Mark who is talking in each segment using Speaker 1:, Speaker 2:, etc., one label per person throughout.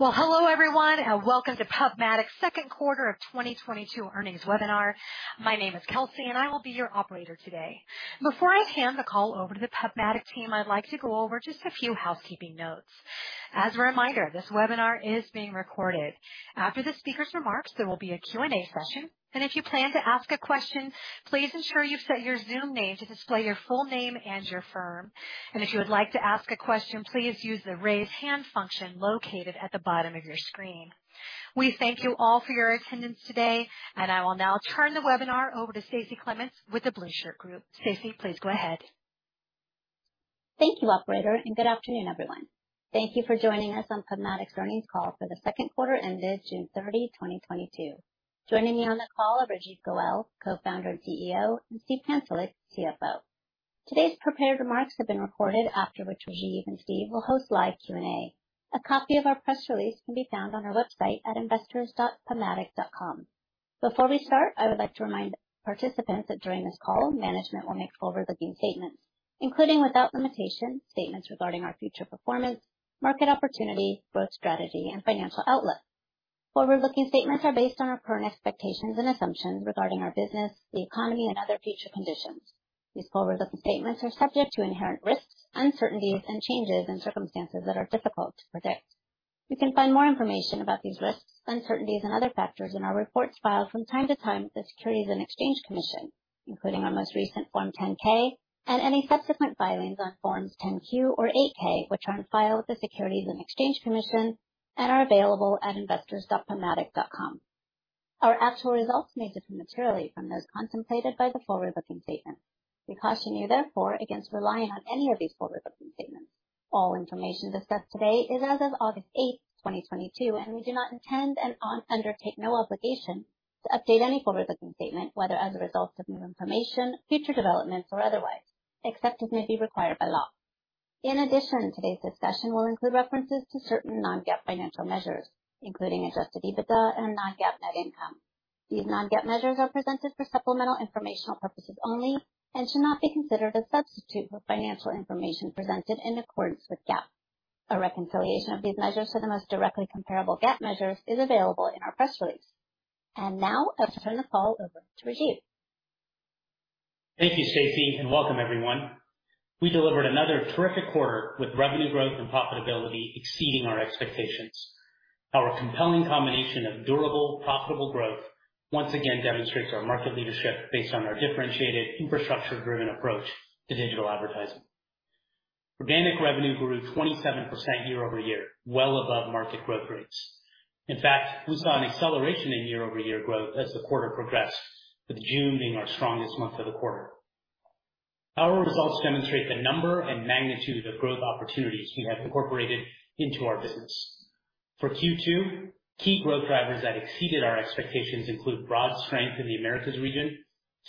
Speaker 1: Well, hello, everyone, and welcome to PubMatic's Second Quarter of 2022 Earnings Webinar. My name is Kelsey, and I will be your operator today. Before I hand the call over to the PubMatic team, I'd like to go over just a few housekeeping notes. As a reminder, this webinar is being recorded. After the speaker's remarks, there will be a Q&A session. If you plan to ask a question, please ensure you set your Zoom name to display your full name and your firm. If you would like to ask a question, please use the Raise Hand function located at the bottom of your screen. We thank you all for your attendance today, and I will now turn the webinar over to Stacie Clements with The Blueshirt Group. Stacie, please go ahead.
Speaker 2: Thank you, operator, and good afternoon, everyone. Thank you for joining us on PubMatic's earnings call for the second quarter ended June 30, 2022. Joining me on the call are Rajeev Goel, Co-Founder and CEO, and Steve Pantelick, CFO. Today's prepared remarks have been recorded, after which Rajeev and Steve will host live Q&A. A copy of our press release can be found on our website at investors.pubmatic.com. Before we start, I would like to remind participants that during this call, management will make forward-looking statements, including, without limitation, statements regarding our future performance, market opportunity, growth strategy, and financial outlook. Forward-looking statements are based on our current expectations and assumptions regarding our business, the economy, and other future conditions. These forward-looking statements are subject to inherent risks, uncertainties, and changes in circumstances that are difficult to predict. You can find more information about these risks, uncertainties, and other factors in our reports filed from time to time with the Securities and Exchange Commission, including our most recent Form 10-K and any subsequent filings on Forms 10-Q or 8-K, which are on file with the Securities and Exchange Commission and are available at investors.pubmatic.com. Our actual results may differ materially from those contemplated by the forward-looking statements. We caution you, therefore, against relying on any of these forward-looking statements. All information discussed today is as of August 8, 2022, and we do not intend and undertake no obligation to update any forward-looking statement, whether as a result of new information, future developments or otherwise, except as may be required by law. In addition, today's discussion will include references to certain non-GAAP financial measures, including Adjusted EBITDA and non-GAAP net income. These non-GAAP measures are presented for supplemental informational purposes only and should not be considered a substitute for financial information presented in accordance with GAAP. A reconciliation of these measures to the most directly comparable GAAP measures is available in our press release. Now I'll turn the call over to Rajeev.
Speaker 3: Thank you, Stacie, and welcome everyone. We delivered another terrific quarter with revenue growth and profitability exceeding our expectations. Our compelling combination of durable, profitable growth once again demonstrates our market leadership based on our differentiated infrastructure-driven approach to digital advertising. Organic revenue grew 27% year-over-year, well above market growth rates. In fact, we saw an acceleration in year-over-year growth as the quarter progressed, with June being our strongest month of the quarter. Our results demonstrate the number and magnitude of growth opportunities we have incorporated into our business. For Q2, key growth drivers that exceeded our expectations include broad strength in the Americas region,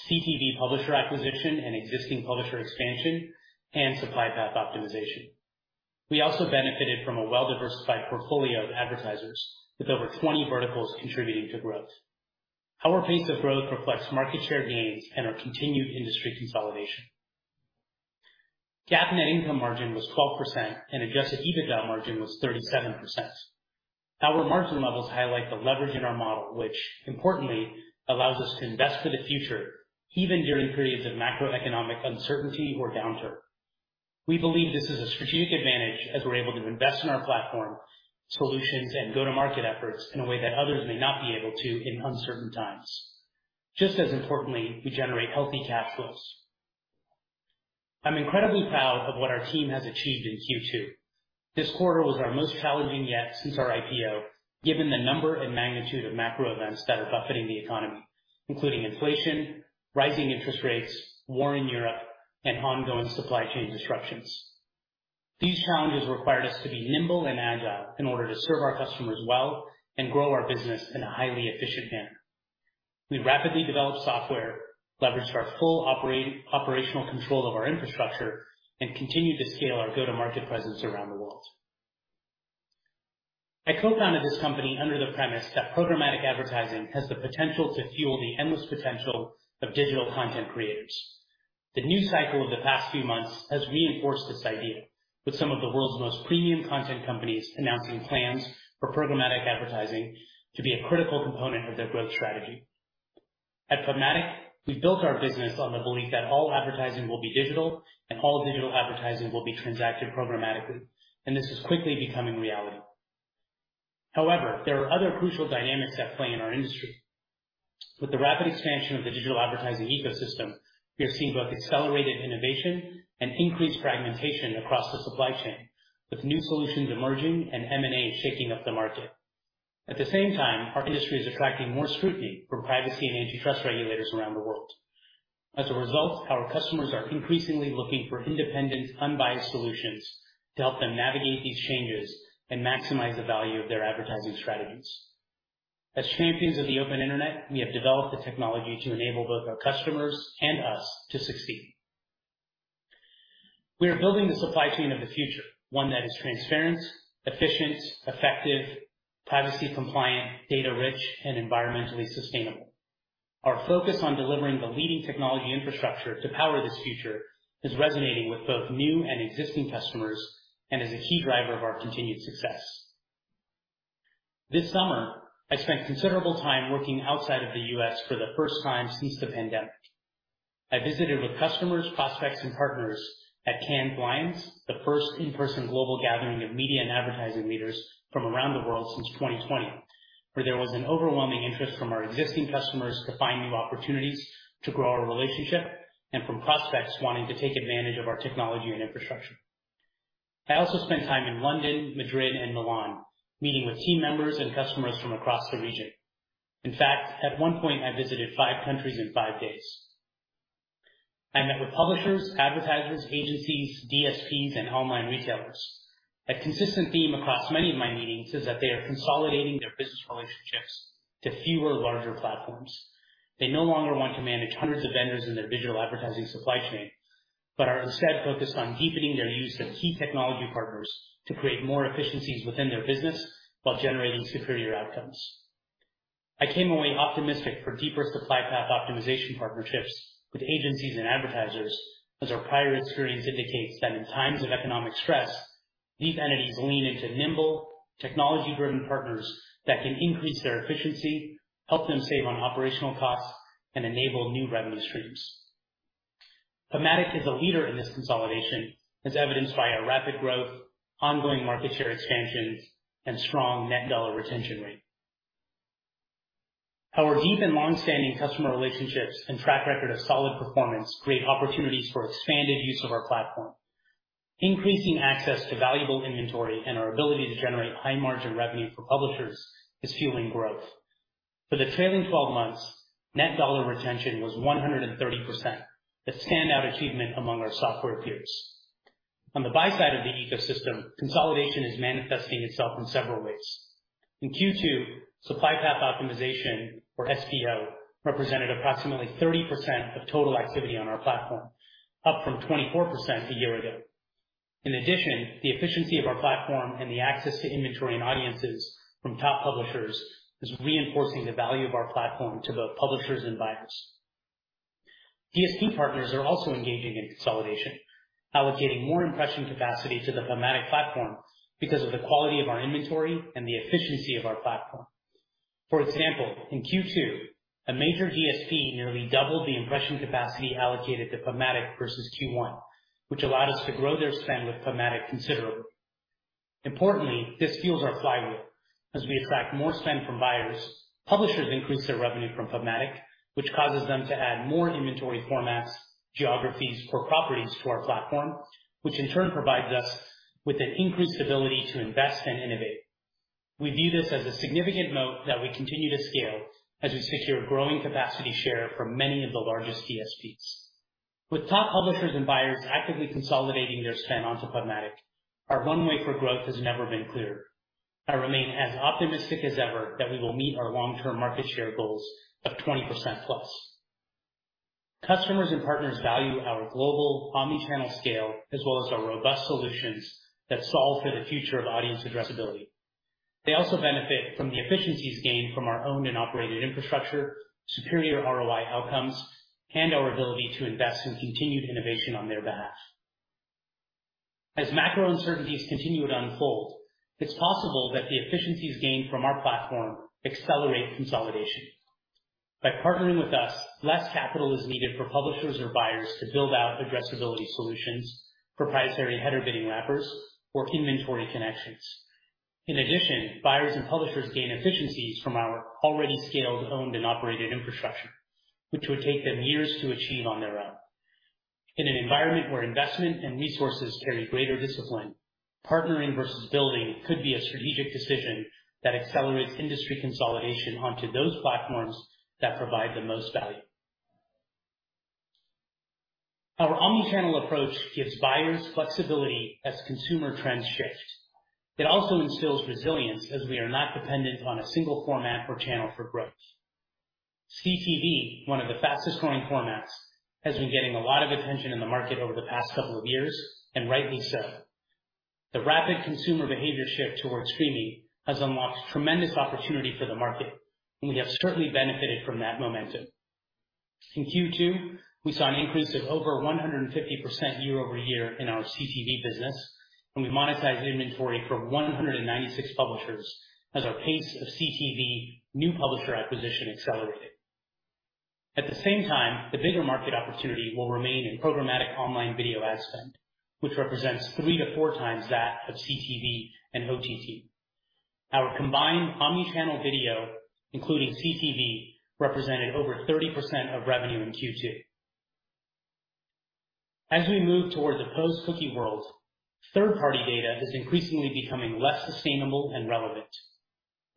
Speaker 3: CTV publisher acquisition and existing publisher expansion, and supply path optimization. We also benefited from a well-diversified portfolio of advertisers with over 20 verticals contributing to growth. Our pace of growth reflects market share gains and our continued industry consolidation. GAAP net income margin was 12%, and Adjusted EBITDA margin was 37%. Our margin levels highlight the leverage in our model, which importantly allows us to invest for the future even during periods of macroeconomic uncertainty or downturn. We believe this is a strategic advantage as we're able to invest in our platform solutions and go-to-market efforts in a way that others may not be able to in uncertain times. Just as importantly, we generate healthy cash flows. I'm incredibly proud of what our team has achieved in Q2. This quarter was our most challenging yet since our IPO, given the number and magnitude of macro events that are buffeting the economy, including inflation, rising interest rates, war in Europe, and ongoing supply chain disruptions. These challenges required us to be nimble and agile in order to serve our customers well and grow our business in a highly efficient manner. We rapidly developed software, leveraged our full operational control of our infrastructure, and continued to scale our go-to-market presence around the world. I co-founded this company under the premise that programmatic advertising has the potential to fuel the endless potential of digital content creators. The news cycle of the past few months has reinforced this idea, with some of the world's most premium content companies announcing plans for programmatic advertising to be a critical component of their growth strategy. At PubMatic, we've built our business on the belief that all advertising will be digital and all digital advertising will be transacted programmatically, and this is quickly becoming reality. However, there are other crucial dynamics at play in our industry. With the rapid expansion of the digital advertising ecosystem, we are seeing both accelerated innovation and increased fragmentation across the supply chain, with new solutions emerging and M&A shaking up the market. At the same time, our industry is attracting more scrutiny from privacy and antitrust regulators around the world. As a result, our customers are increasingly looking for independent, unbiased solutions to help them navigate these changes and maximize the value of their advertising strategies. As champions of the open internet, we have developed the technology to enable both our customers and us to succeed. We are building the supply chain of the future, one that is transparent, efficient, effective, privacy compliant, data rich, and environmentally sustainable. Our focus on delivering the leading technology infrastructure to power this future is resonating with both new and existing customers and is a key driver of our continued success. This summer, I spent considerable time working outside of the U.S. for the first time since the pandemic. I visited with customers, prospects, and partners at Cannes Lions, the first in-person global gathering of media and advertising leaders from around the world since 2020, where there was an overwhelming interest from our existing customers to find new opportunities to grow our relationship and from prospects wanting to take advantage of our technology and infrastructure. I also spent time in London, Madrid, and Milan, meeting with team members and customers from across the region. In fact, at one point I visited five countries in five days. I met with publishers, advertisers, agencies, DSPs, and online retailers. A consistent theme across many of my meetings is that they are consolidating their business relationships to fewer larger platforms. They no longer want to manage hundreds of vendors in their digital advertising supply chain, but are instead focused on deepening their use of key technology partners to create more efficiencies within their business while generating superior outcomes. I came away optimistic for deeper supply path optimization partnerships with agencies and advertisers, as our prior experience indicates that in times of economic stress, these entities lean into nimble, technology-driven partners that can increase their efficiency, help them save on operational costs, and enable new revenue streams. PubMatic is a leader in this consolidation, as evidenced by our rapid growth, ongoing market share expansions, and strong net dollar retention rate. Our deep and long-standing customer relationships and track record of solid performance create opportunities for expanded use of our platform. Increasing access to valuable inventory and our ability to generate high margin revenue for publishers is fueling growth. For the trailing twelve months, net dollar retention was 130%, a standout achievement among our software peers. On the buy side of the ecosystem, consolidation is manifesting itself in several ways. In Q2, supply path optimization, or SPO, represented approximately 30% of total activity on our platform, up from 24% a year ago. In addition, the efficiency of our platform and the access to inventory and audiences from top publishers is reinforcing the value of our platform to both publishers and buyers. DSP partners are also engaging in consolidation, allocating more impression capacity to the programmatic platform because of the quality of our inventory and the efficiency of our platform. For example, in Q2, a major DSP nearly doubled the impression capacity allocated to programmatic versus Q1, which allowed us to grow their spend with programmatic considerably. Importantly, this fuels our flywheel. As we attract more spend from buyers, publishers increase their revenue from programmatic, which causes them to add more inventory formats, geographies or properties to our platform, which in turn provides us with an increased ability to invest and innovate. We view this as a significant moat that we continue to scale as we secure growing capacity share from many of the largest DSPs. With top publishers and buyers actively consolidating their spend onto programmatic, our runway for growth has never been clearer. I remain as optimistic as ever that we will meet our long-term market share goals of 20%+. Customers and partners value our global omnichannel scale as well as our robust solutions that solve for the future of audience addressability. They also benefit from the efficiencies gained from our owned and operated infrastructure, superior ROI outcomes, and our ability to invest in continued innovation on their behalf. As macro uncertainties continue to unfold, it's possible that the efficiencies gained from our platform accelerate consolidation. By partnering with us, less capital is needed for publishers or buyers to build out addressability solutions, proprietary header bidding wrappers, or inventory connections. In addition, buyers and publishers gain efficiencies from our already scaled, owned, and operated infrastructure, which would take them years to achieve on their own. In an environment where investment and resources carry greater discipline, partnering versus building could be a strategic decision that accelerates industry consolidation onto those platforms that provide the most value. Our omnichannel approach gives buyers flexibility as consumer trends shift. It also instills resilience as we are not dependent on a single format or channel for growth. CTV, one of the fastest growing formats, has been getting a lot of attention in the market over the past couple of years, and rightly so. The rapid consumer behavior shift towards streaming has unlocked tremendous opportunity for the market, and we have certainly benefited from that momentum. In Q2, we saw an increase of over 150% year-over-year in our CTV business, and we monetized inventory for 196 publishers as our pace of CTV new publisher acquisition accelerated. At the same time, the bigger market opportunity will remain in programmatic online video ad spend, which represents three-four times that of CTV and OTT. Our combined omnichannel video, including CTV, represented over 30% of revenue in Q2. As we move towards a post-cookie world, third-party data is increasingly becoming less sustainable and relevant.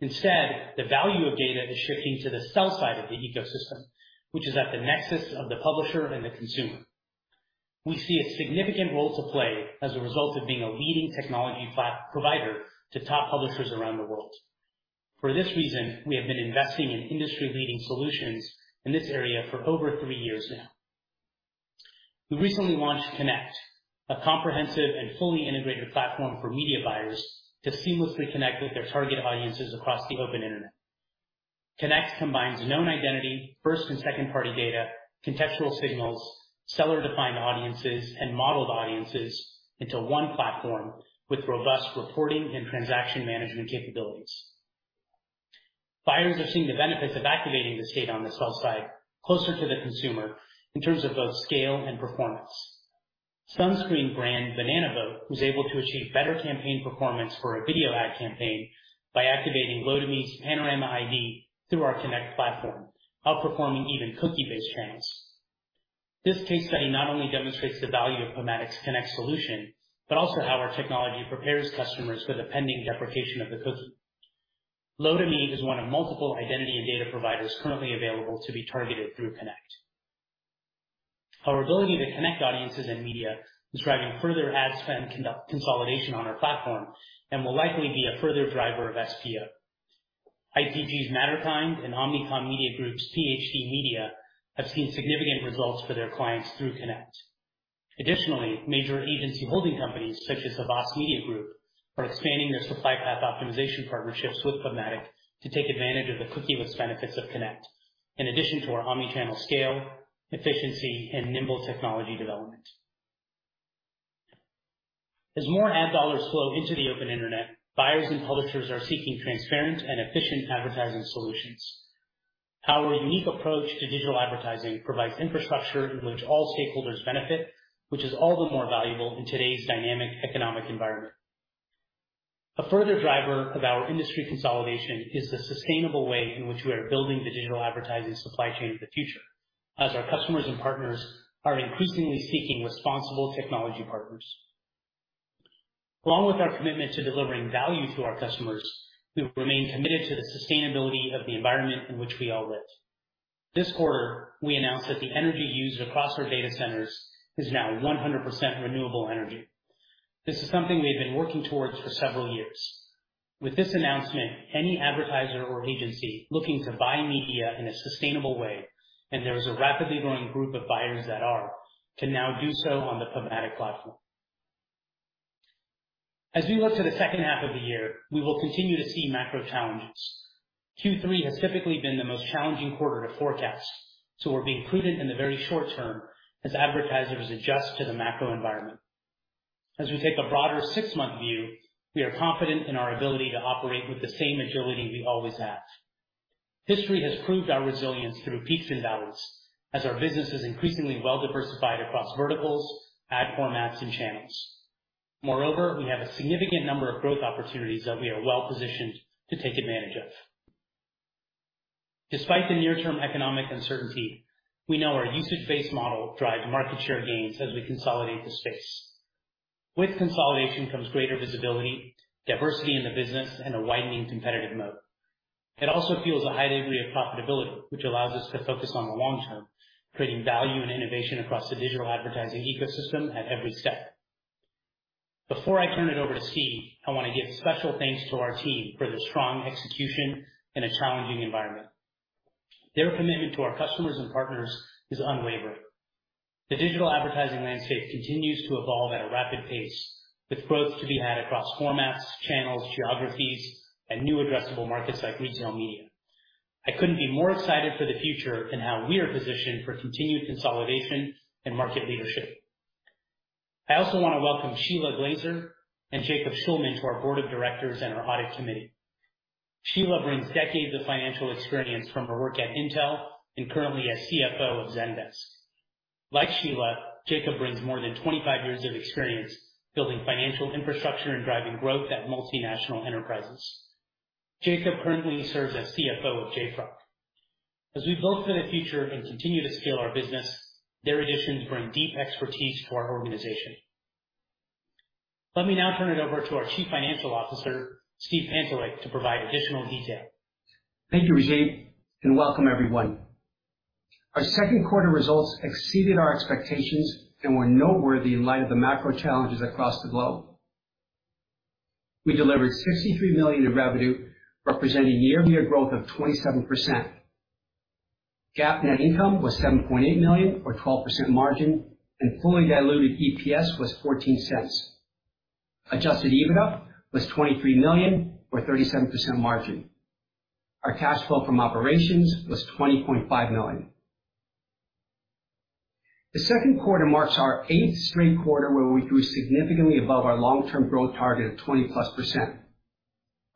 Speaker 3: Instead, the value of data is shifting to the sell side of the ecosystem, which is at the nexus of the publisher and the consumer. We see a significant role to play as a result of being a leading technology provider to top publishers around the world. For this reason, we have been investing in industry-leading solutions in this area for over three years now. We recently launched Connect, a comprehensive and fully integrated platform for media buyers to seamlessly connect with their target audiences across the open internet. Connect combines known identity, first and second party data, contextual signals, seller-defined audiences and modeled audiences into one platform with robust reporting and transaction management capabilities. Buyers are seeing the benefits of activating this data on the sell side closer to the consumer in terms of both scale and performance. Sunscreen brand Banana Boat was able to achieve better campaign performance for a video ad campaign by activating Lotame's Panorama ID through our Connect platform, outperforming even cookie-based channels. This case study not only demonstrates the value of PubMatic's Connect solution, but also how our technology prepares customers for the pending deprecation of the cookie. Lotame is one of multiple identity and data providers currently available to be targeted through Connect. Our ability to connect audiences and media is driving further ad spend consolidation on our platform and will likely be a further driver of SPO. IPG's Matterkind and Omnicom Media Group's PHD Media have seen significant results for their clients through Connect. Additionally, major agency holding companies such as the Vox Media Group are expanding their supply path optimization partnerships with PubMatic to take advantage of the cookieless benefits of Connect. In addition to our omni-channel scale, efficiency and nimble technology development. As more ad dollars flow into the open internet, buyers and publishers are seeking transparent and efficient advertising solutions. Our unique approach to digital advertising provides infrastructure in which all stakeholders benefit, which is all the more valuable in today's dynamic economic environment. A further driver of our industry consolidation is the sustainable way in which we are building the digital advertising supply chain of the future. As our customers and partners are increasingly seeking responsible technology partners. Along with our commitment to delivering value to our customers, we remain committed to the sustainability of the environment in which we all live. This quarter, we announced that the energy used across our data centers is now 100% renewable energy. This is something we've been working towards for several years. With this announcement, any advertiser or agency looking to buy media in a sustainable way, and there is a rapidly growing group of buyers that are, can now do so on the PubMatic platform. As we look to the second half of the year, we will continue to see macro challenges. Q3 has typically been the most challenging quarter to forecast, so we're being prudent in the very short term as advertisers adjust to the macro environment. As we take a broader six-month view, we are confident in our ability to operate with the same agility we always have. History has proved our resilience through peaks and valleys as our business is increasingly well diversified across verticals, ad formats and channels. Moreover, we have a significant number of growth opportunities that we are well-positioned to take advantage of. Despite the near-term economic uncertainty, we know our usage-based model will drive market share gains as we consolidate the space. With consolidation comes greater visibility, diversity in the business and a widening competitive moat. It also fuels a high degree of profitability, which allows us to focus on the long term, creating value and innovation across the digital advertising ecosystem at every step. Before I turn it over to Steve, I wanna give special thanks to our team for their strong execution in a challenging environment. Their commitment to our customers and partners is unwavering. The digital advertising landscape continues to evolve at a rapid pace, with growth to be had across formats, channels, geographies, and new addressable markets like regional media. I couldn't be more excited for the future and how we are positioned for continued consolidation and market leadership. I also wanna welcome Shelagh Glaser and Jacob Shulman to our board of directors and our audit committee. Shelagh brings decades of financial experience from her work at Intel and currently as CFO of Zendesk. Like Shelagh, Jacob brings more than 25 years of experience building financial infrastructure and driving growth at multinational enterprises. Jacob currently serves as CFO of JFrog. As we build for the future and continue to scale our business, their additions bring deep expertise to our organization. Let me now turn it over to our Chief Financial Officer, Steve Pantelick, to provide additional detail.
Speaker 4: Thank you, Rajeev, and welcome everyone. Our second quarter results exceeded our expectations and were noteworthy in light of the macro challenges across the globe. We delivered $63 million in revenue, representing year-over-year growth of 27%. GAAP net income was $7.8 million or 12% margin, and fully diluted EPS was $0.14. Adjusted EBITDA was $23 million, or 37% margin. Our cash flow from operations was $20.5 million. The second quarter marks our eighth straight quarter where we grew significantly above our long-term growth target of 20%+,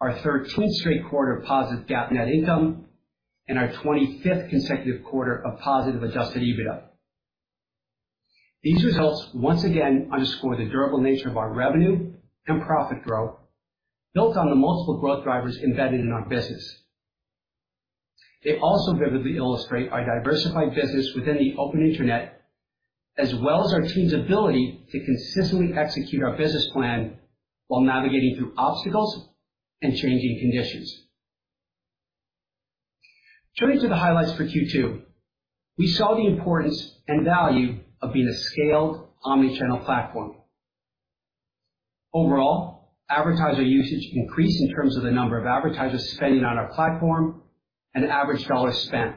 Speaker 4: our 13th straight quarter of positive GAAP net income, and our 25th consecutive quarter of positive Adjusted EBITDA. These results once again underscore the durable nature of our revenue and profit growth built on the multiple growth drivers embedded in our business. They also vividly illustrate our diversified business within the open internet, as well as our team's ability to consistently execute our business plan while navigating through obstacles and changing conditions. Turning to the highlights for Q2. We saw the importance and value of being a scaled omni-channel platform. Overall, advertiser usage increased in terms of the number of advertisers spending on our platform and average dollar spent.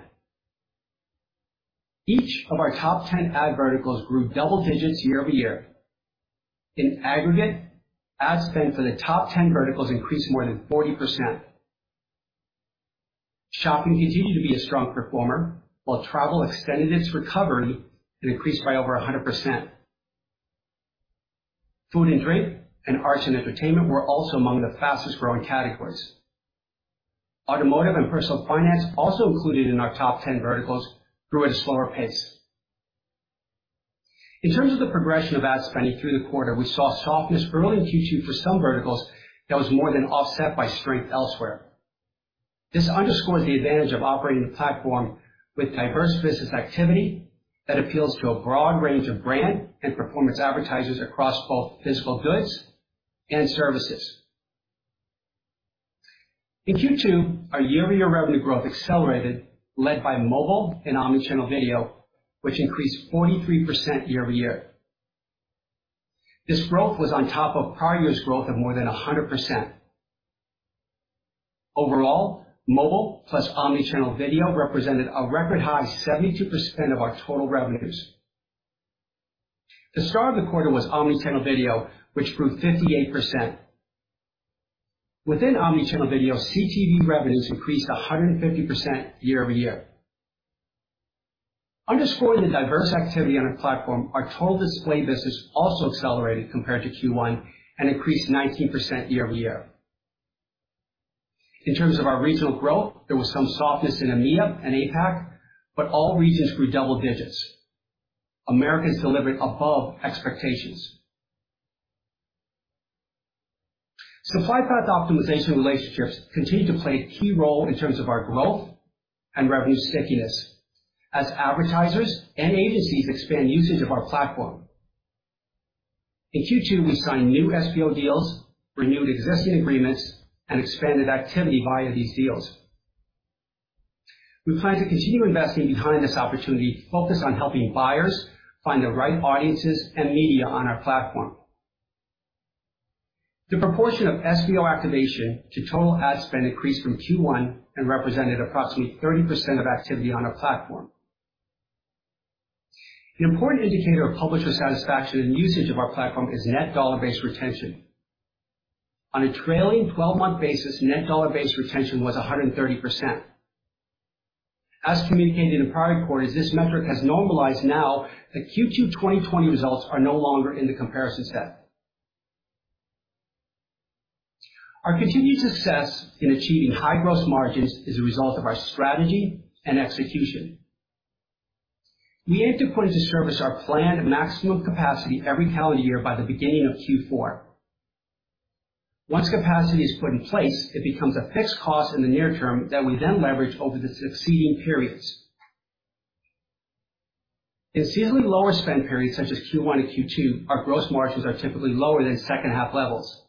Speaker 4: Each of our top 10 ad verticals grew double digits year-over-year. In aggregate, ad spend for the top 10 verticals increased more than 40%. Shopping continued to be a strong performer, while travel extended its recovery and increased by over 100%. Food and drink and arts and entertainment were also among the fastest-growing categories. Automotive and personal finance, also included in our top 10 verticals, grew at a slower pace. In terms of the progression of ad spending through the quarter, we saw softness early in Q2 for some verticals that was more than offset by strength elsewhere. This underscores the advantage of operating a platform with diverse business activity that appeals to a broad range of brand and performance advertisers across both physical goods and services. In Q2, our year-over-year revenue growth accelerated, led by mobile and omnichannel video, which increased 43% year-over-year. This growth was on top of prior year's growth of more than 100%. Overall, mobile plus omnichannel video represented a record high 72% of our total revenues. The star of the quarter was omnichannel video, which grew 58%. Within omnichannel video, CTV revenues increased 150% year-over-year. Underscoring the diverse activity on our platform, our total display business also accelerated compared to Q1 and increased 19% year-over-year. In terms of our regional growth, there was some softness in EMEA and APAC, but all regions grew double digits. Americas delivered above expectations. supply path optimization relationships continue to play a key role in terms of our growth and revenue stickiness as advertisers and agencies expand usage of our platform. In Q2, we signed new SPO deals, renewed existing agreements, and expanded activity via these deals. We plan to continue investing behind this opportunity, focused on helping buyers find the right audiences and media on our platform. The proportion of SPO activation to total ad spend increased from Q1, and represented approximately 30% of activity on our platform. An important indicator of publisher satisfaction and usage of our platform is net dollar-based retention. On a trailing 12-month basis, net dollar-based retention was 130%. As communicated in prior quarters, this metric has normalized now that Q2 2020 results are no longer in the comparison set. Our continued success in achieving high gross margins is a result of our strategy and execution. We aim to put into service our planned maximum capacity every calendar year by the beginning of Q4. Once capacity is put in place, it becomes a fixed cost in the near term that we then leverage over the succeeding periods. In seasonally lower spend periods such as Q1 and Q2, our gross margins are typically lower than second half levels.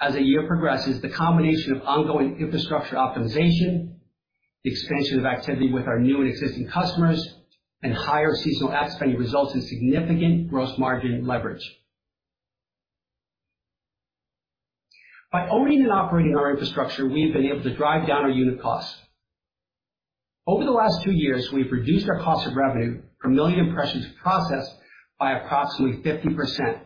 Speaker 4: As the year progresses, the combination of ongoing infrastructure optimization, the expansion of activity with our new and existing customers, and higher seasonal ad spend results in significant gross margin leverage. By owning and operating our infrastructure, we have been able to drive down our unit costs. Over the last two years, we've reduced our cost of revenue per million impressions processed by approximately 50%.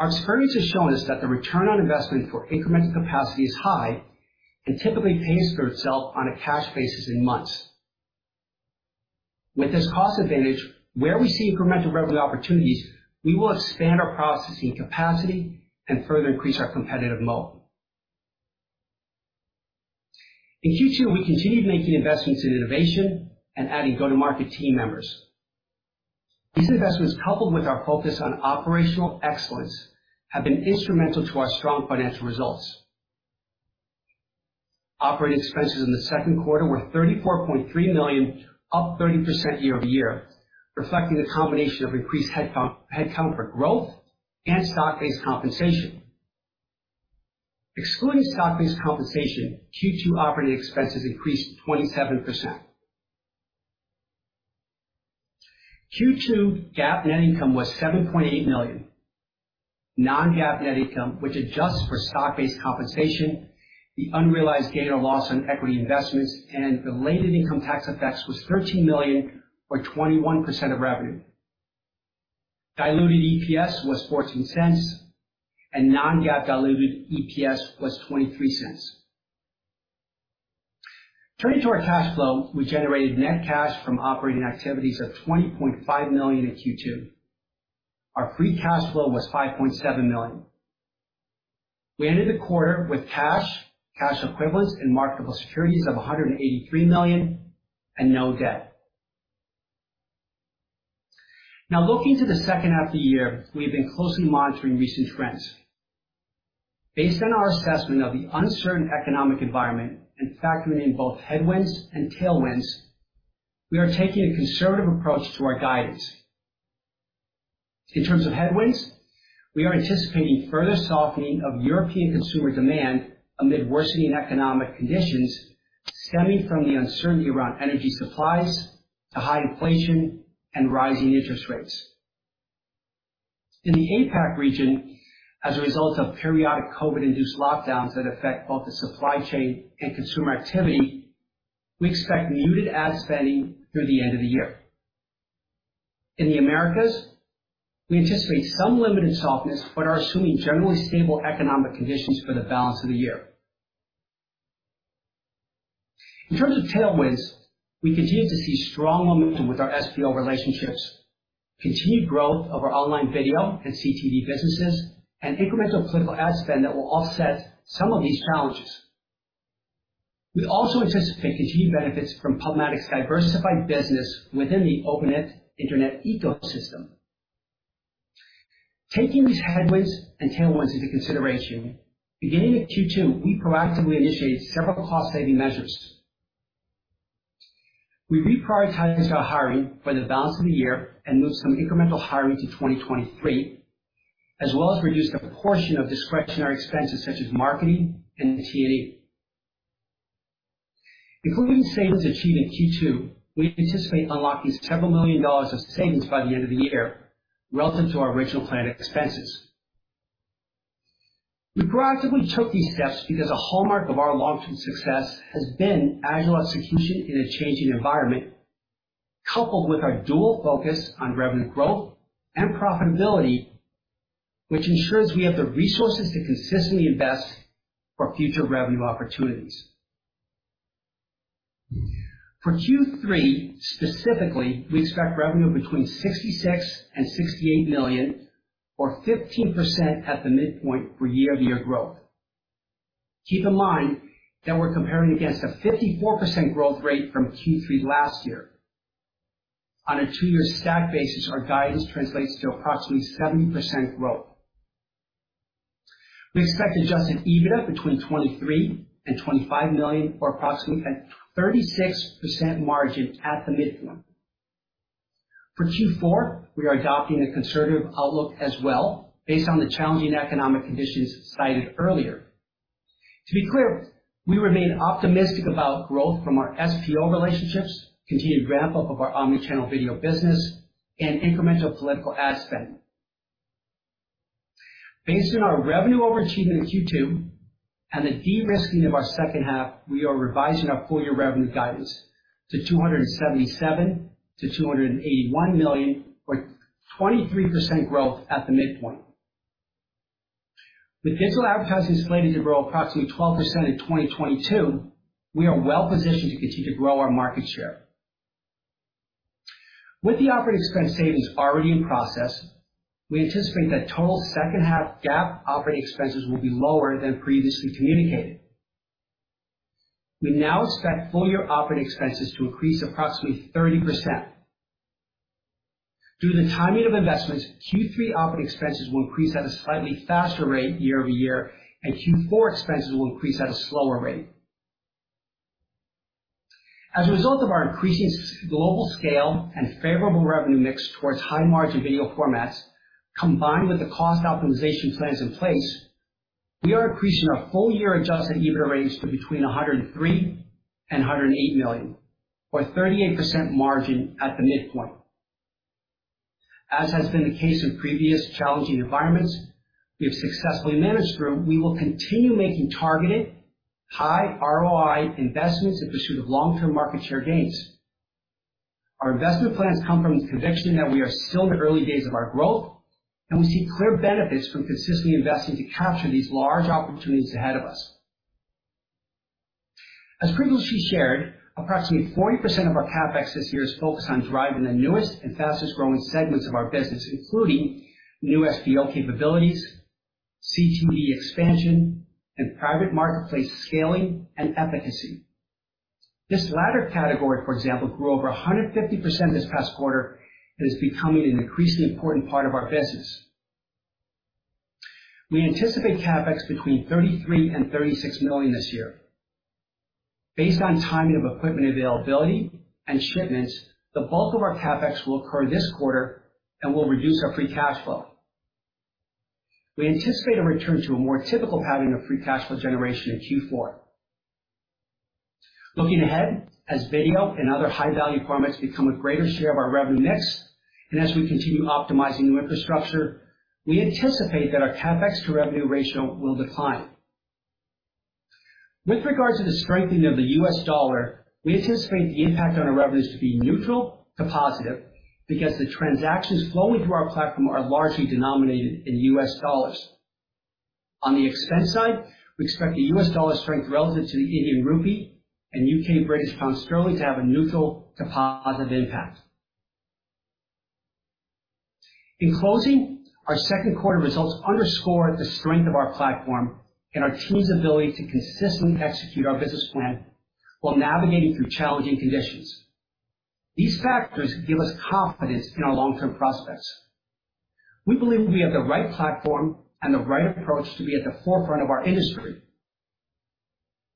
Speaker 4: Our experience has shown us that the return on investment for incremental capacity is high and typically pays for itself on a cash basis in months. With this cost advantage, where we see incremental revenue opportunities, we will expand our processing capacity and further increase our competitive moat. In Q2, we continued making investments in innovation and adding go-to-market team members. These investments, coupled with our focus on operational excellence, have been instrumental to our strong financial results. Operating expenses in the second quarter were $34.3 million, up 30% year-over-year, reflecting the combination of increased headcount for growth, and stock-based compensation. Excluding stock-based compensation, Q2 operating expenses increased 27%. Q2 GAAP net income was $7.8 million. Non-GAAP net income, which adjusts for stock-based compensation, the unrealized gain or loss on equity investments, and related income tax effects was $13 million, or 21% of revenue. Diluted EPS was $0.14 and non-GAAP diluted EPS was $0.23. Turning to our cash flow, we generated net cash from operating activities of $20.5 million in Q2. Our free cash flow was $5.7 million. We ended the quarter with cash equivalents, and marketable securities of $183 million and no debt. Now looking to the second half of the year, we have been closely monitoring recent trends. Based on our assessment of the uncertain economic environment and factoring in both headwinds and tailwinds, we are taking a conservative approach to our guidance. In terms of headwinds, we are anticipating further softening of European consumer demand amid worsening economic conditions stemming from the uncertainty around energy supplies to high inflation and rising interest rates. In the APAC region, as a result of periodic COVID induced lockdowns that affect both the supply chain and consumer activity, we expect muted ad spending through the end of the year. In the Americas, we anticipate some limited softness, but are assuming generally stable economic conditions for the balance of the year. In terms of tailwinds, we continue to see strong momentum with our SPO relationships, continued growth of our online video and CTV businesses, and incremental political ad spend that will offset some of these challenges. We also anticipate continued benefits from PubMatic's diversified business within the open internet ecosystem. Taking these headwinds and tailwinds into consideration, beginning of Q2, we proactively initiated several cost-saving measures. We reprioritized our hiring for the balance of the year and moved some incremental hiring to 2023, as well as reduced a portion of discretionary expenses such as marketing and T&E. Including savings achieved in Q2, we anticipate unlocking several million dollars of savings by the end of the year relative to our original planned expenses. We proactively took these steps because a hallmark of our long-term success has been agile execution in a changing environment, coupled with our dual focus on revenue growth and profitability, which ensures we have the resources to consistently invest for future revenue opportunities. For Q3 specifically, we expect revenue between $66 million and $68 million, or 15% at the midpoint for year-over-year growth. Keep in mind that we're comparing against a 54% growth rate from Q3 last year. On a two-year stack basis, our guidance translates to approximately 7% growth. We expect Adjusted EBITDA between $23 million and $25 million, or approximately 36% margin at the midpoint. For Q4, we are adopting a conservative outlook as well based on the challenging economic conditions cited earlier. To be clear, we remain optimistic about growth from our SPO relationships, continued ramp up of our omnichannel video business, and incremental political ad spend. Based on our revenue over achievement in Q2 and the de-risking of our second half, we are revising our full-year revenue guidance to $277 million-$281 million, or 23% growth at the midpoint. With digital advertising slated to grow approximately 12% in 2022, we are well positioned to continue to grow our market share. With the operating expense savings already in process, we anticipate that total second half GAAP operating expenses will be lower than previously communicated. We now expect full-year operating expenses to increase approximately 30%. Due to the timing of investments, Q3 operating expenses will increase at a slightly faster rate year-over-year, and Q4 expenses will increase at a slower rate. As a result of our increasing global scale and favorable revenue mix towards high-margin video formats, combined with the cost optimization plans in place, we are increasing our full-year Adjusted EBITDA range to between $103 million and $108 million, or 38% margin at the midpoint. As has been the case in previous challenging environments we have successfully managed through, we will continue making targeted high-ROI investments in pursuit of long-term market share gains. Our investment plans come from the conviction that we are still in the early days of our growth, and we see clear benefits from consistently investing to capture these large opportunities ahead of us. As previously shared, approximately 40% of our CapEx this year is focused on driving the newest and fastest growing segments of our business, including new SPO capabilities, CTV expansion, and private marketplace scaling and efficacy. This latter category, for example, grew over 150% this past quarter and is becoming an increasingly important part of our business. We anticipate CapEx between $33 million and $36 million this year. Based on timing of equipment availability and shipments, the bulk of our CapEx will occur this quarter and will reduce our free cash flow. We anticipate a return to a more typical pattern of free cash flow generation in Q4. Looking ahead, as video and other high value formats become a greater share of our revenue mix, and as we continue optimizing new infrastructure, we anticipate that our CapEx to revenue ratio will decline. With regard to the strengthening of the US dollar, we anticipate the impact on our revenues to be neutral to positive because the transactions flowing through our platform are largely denominated in U.S. dollars. On the expense side, we expect the U.S. dollar strength relative to the Indian rupee and U.K. British pound sterling to have a neutral to positive impact. In closing, our second quarter results underscore the strength of our platform and our team's ability to consistently execute our business plan while navigating through challenging conditions. These factors give us confidence in our long-term prospects. We believe we have the right platform and the right approach to be at the forefront of our industry.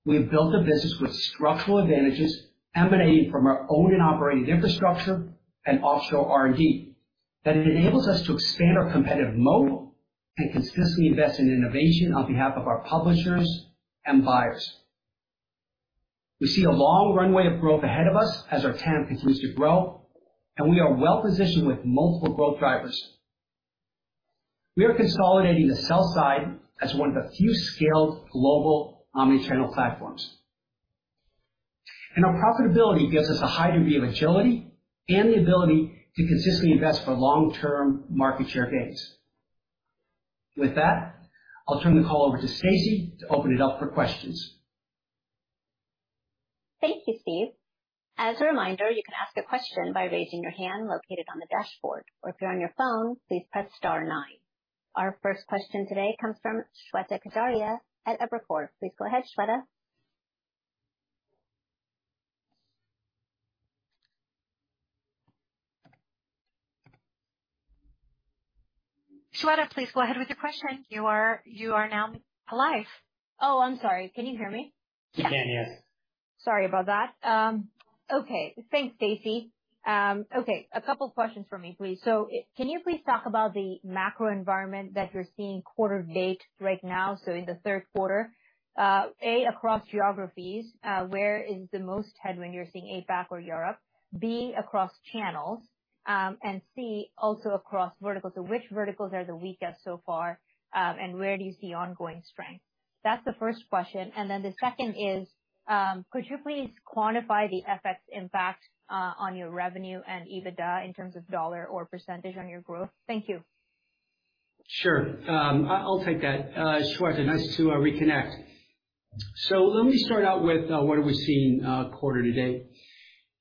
Speaker 4: We have built a business with structural advantages emanating from our own and operating infrastructure and offshore R&D, that it enables us to expand our competitive moat. Consistently invest in innovation on behalf of our publishers and buyers. We see a long runway of growth ahead of us as our TAM continues to grow, and we are well positioned with multiple growth drivers. We are consolidating the sell side as one of the few scaled global omni-channel platforms. Our profitability gives us a high degree of agility and the ability to consistently invest for long-term market share gains. With that, I'll turn the call over to Stacie to open it up for questions.
Speaker 2: Thank you, Steve. As a reminder, you can ask a question by raising your hand located on the dashboard, or if you're on your phone, please press star nine. Our first question today comes from Shweta Khajuria at Evercore. Please go ahead, Shweta. Shweta, please go ahead with your question. You are now live.
Speaker 5: Oh, I'm sorry. Can you hear me?
Speaker 4: We can, yes.
Speaker 5: Sorry about that. Okay, thanks, Stacie. Okay, a couple questions for me, please. Can you please talk about the macro environment that you're seeing quarter to date right now, so in the third quarter, A, across geographies, where is the most headwind you're seeing, APAC or Europe? B, across channels, and C, also across verticals. Which verticals are the weakest so far, and where do you see ongoing strength? That's the first question. The second is, could you please quantify the FX impact on your revenue and EBITDA in terms of dollar or percentage on your growth? Thank you.
Speaker 4: Sure. I'll take that. Shweta, nice to reconnect. Let me start out with what are we seeing quarter to date.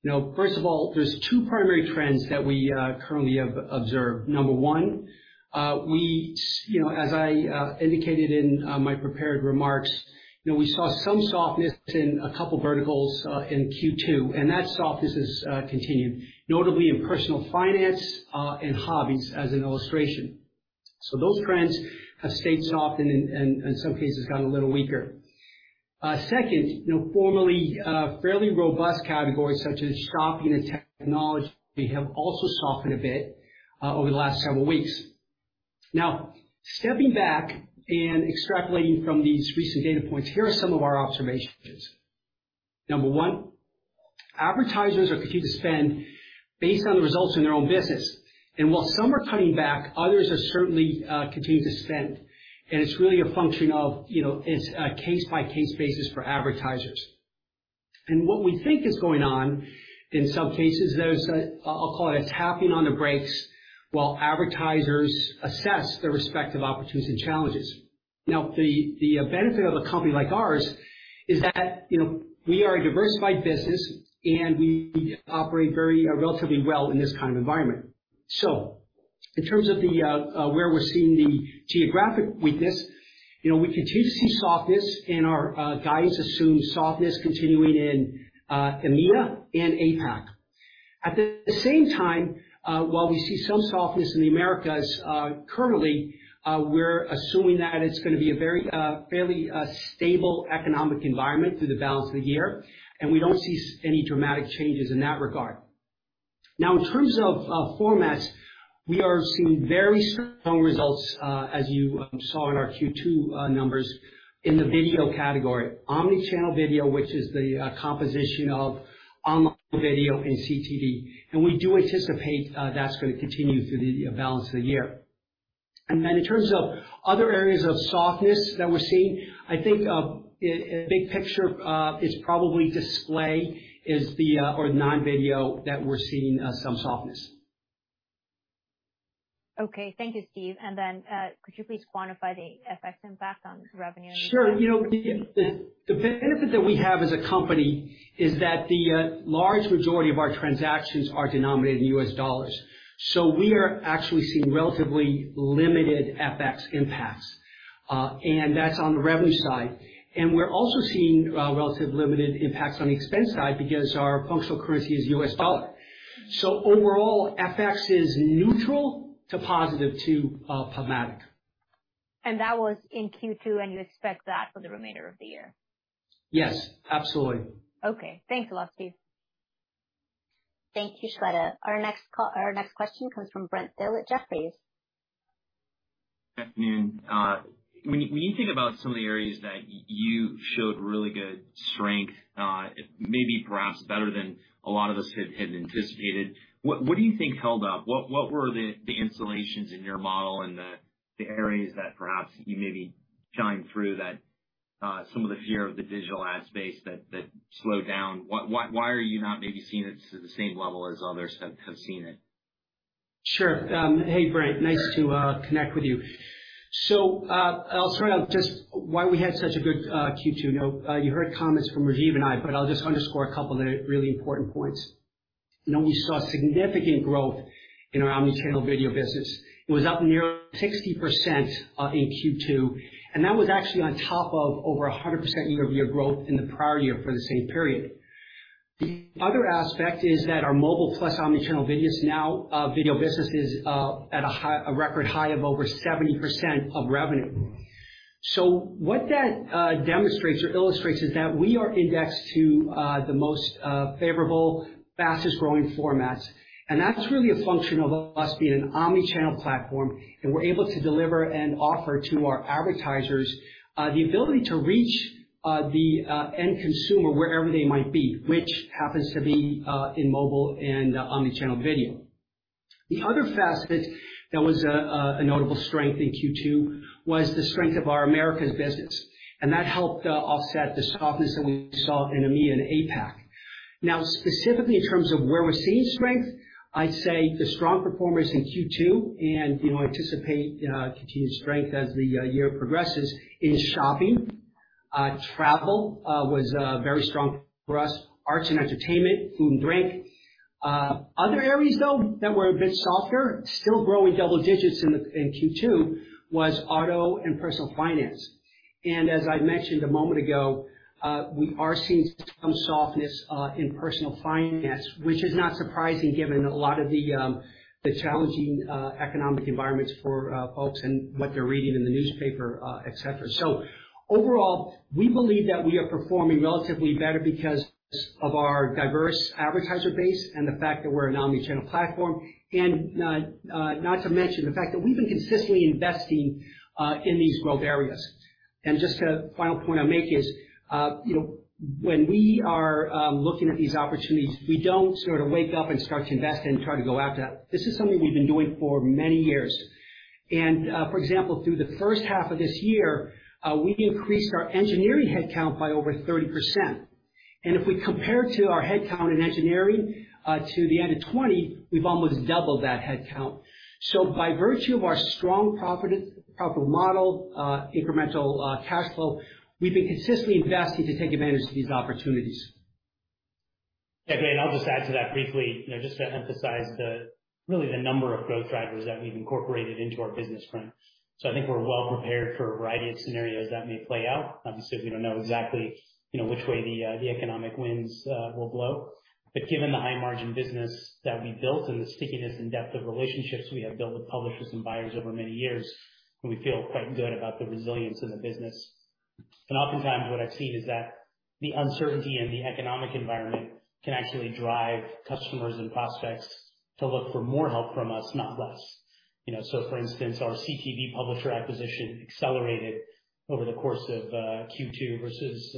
Speaker 4: You know, first of all, there's two primary trends that we currently have observed. Number one, you know, as I indicated in my prepared remarks, you know, we saw some softness in a couple verticals in Q2, and that softness has continued, notably in personal finance and hobbies, as an illustration. Those trends have stayed soft and in some cases, gone a little weaker. Second, you know, formerly fairly robust categories such as shopping and technology have also softened a bit over the last several weeks. Now, stepping back and extrapolating from these recent data points, here are some of our observations. Number one, advertisers are continuing to spend based on the results in their own business. While some are cutting back, others are certainly continuing to spend. It's really a function of, you know, it's a case-by-case basis for advertisers. What we think is going on in some cases, there's a, I'll call it a tapping on the brakes while advertisers assess their respective opportunities and challenges. Now, the benefit of a company like ours is that, you know, we are a diversified business, and we operate very relatively well in this kind of environment. In terms of where we're seeing the geographic weakness, you know, we continue to see softness, and our guidance assumes softness continuing in EMEA and APAC. At the same time, while we see some softness in the Americas currently, we're assuming that it's gonna be a very fairly stable economic environment through the balance of the year, and we don't see any dramatic changes in that regard. Now, in terms of formats, we are seeing very strong results, as you saw in our Q2 numbers in the video category. Omni-channel video, which is the composition of online video and CTV. We do anticipate that's gonna continue through the balance of the year. Then in terms of other areas of softness that we're seeing, I think big picture is probably display or non-video that we're seeing some softness.
Speaker 5: Okay. Thank you, Steve. And then, could you please quantify the FX impact on revenue?
Speaker 4: Sure. You know, the benefit that we have as a company is that the large majority of our transactions are denominated in U.S. dollars. We are actually seeing relatively limited FX impacts, and that's on the revenue side. We're also seeing relatively limited impacts on the expense side because our functional currency is U.S. dollar. Overall, FX is neutral to positive to PubMatic.
Speaker 5: That was in Q2, and you expect that for the remainder of the year?
Speaker 4: Yes, absolutely.
Speaker 5: Okay. Thanks a lot, Steve.
Speaker 2: Thank you, Shweta. Our next question comes from Brent Thill at Jefferies.
Speaker 6: Good afternoon. When you think about some of the areas that you showed really good strength, maybe perhaps better than a lot of us had anticipated, what do you think held up? What were the installations in your model and the areas that perhaps you maybe shined through that, some of the fear of the digital ad space that slowed down? Why are you not maybe seeing it to the same level as others have seen it?
Speaker 4: Sure. Hey, Brent. Nice to connect with you. I'll start out just why we had such a good Q2. You know, you heard comments from Rajeev and I, but I'll just underscore a couple of the really important points. You know, we saw significant growth in our omni-channel video business. It was up near 60% in Q2, and that was actually on top of over 100% year-over-year growth in the prior year for the same period. The other aspect is that our mobile plus omni-channel video business is now at a record high of over 70% of revenue. What that demonstrates or illustrates is that we are indexed to the most favorable, fastest growing formats. That's really a function of us being an omni-channel platform, and we're able to deliver and offer to our advertisers the ability to reach the end consumer wherever they might be, which happens to be in mobile and omni-channel video. The other facet that was a notable strength in Q2 was the strength of our Americas business, and that helped offset the softness that we saw in EMEA and APAC. Now, specifically in terms of where we're seeing strength, I'd say the strong performers in Q2, and we anticipate continued strength as the year progresses, is shopping. Travel was very strong for us. Arts and entertainment, food and drink. Other areas, though, that were a bit softer, still growing double digits in Q2 was auto and personal finance. As I mentioned a moment ago, we are seeing some softness in personal finance, which is not surprising given a lot of the challenging economic environments for folks and what they're reading in the newspaper, et cetera. Overall, we believe that we are performing relatively better because of our diverse advertiser base and the fact that we're an omni-channel platform. Not to mention the fact that we've been consistently investing in these growth areas. Just a final point I'll make is, you know, when we are looking at these opportunities, we don't sort of wake up and start to invest and try to go after. This is something we've been doing for many years. For example, through the first half of this year, we increased our engineering headcount by over 30%. If we compare to our headcount in engineering to the end of 2020, we've almost doubled that headcount. By virtue of our strong profit model, incremental cash flow, we've been consistently investing to take advantage of these opportunities.
Speaker 3: Yeah. Great. I'll just add to that briefly, you know, just to emphasize the, really the number of growth drivers that we've incorporated into our business front. I think we're well prepared for a variety of scenarios that may play out. Obviously, we don't know exactly, you know, which way the economic winds will blow. Given the high margin business that we've built and the stickiness and depth of relationships we have built with publishers and buyers over many years, we feel quite good about the resilience in the business. Oftentimes what I've seen is that the uncertainty in the economic environment can actually drive customers and prospects to look for more help from us, not less. You know, for instance, our CTV publisher acquisition accelerated over the course of Q2 versus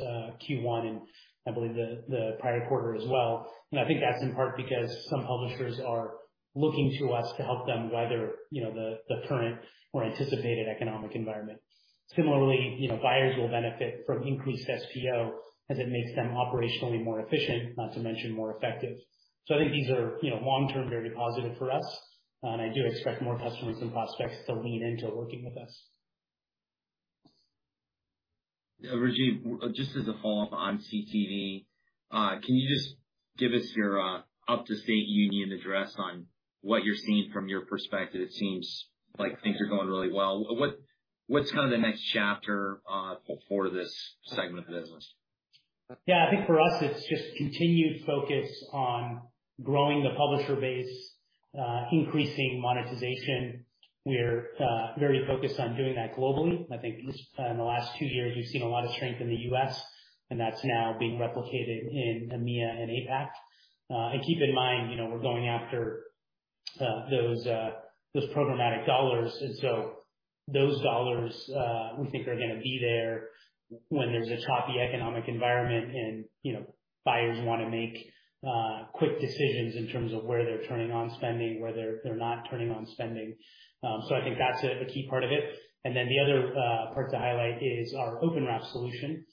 Speaker 3: Q1, and I believe the prior quarter as well. I think that's in part because some publishers are looking to us to help them weather, you know, the current or anticipated economic environment. Similarly, you know, buyers will benefit from increased SPO as it makes them operationally more efficient, not to mention more effective. I think these are, you know, long term, very positive for us, and I do expect more customers and prospects to lean into working with us.
Speaker 6: Yeah. Rajeev, just as a follow-up on CTV, can you just give us your up-to-date Union address on what you're seeing from your perspective? It seems like things are going really well. What's kind of the next chapter for this segment of the business?
Speaker 3: Yeah. I think for us it's just continued focus on growing the publisher base, increasing monetization. We're very focused on doing that globally. I think just in the last two years, we've seen a lot of strength in the U.S., and that's now being replicated in EMEA and APAC. Keep in mind, you know, we're going after those programmatic dollars. Those dollars, we think are gonna be there when there's a choppy economic environment and, you know, buyers wanna make quick decisions in terms of where they're turning on spending, where they're not turning on spending. I think that's a key part of it. Then the other part to highlight is our OpenWrap solution.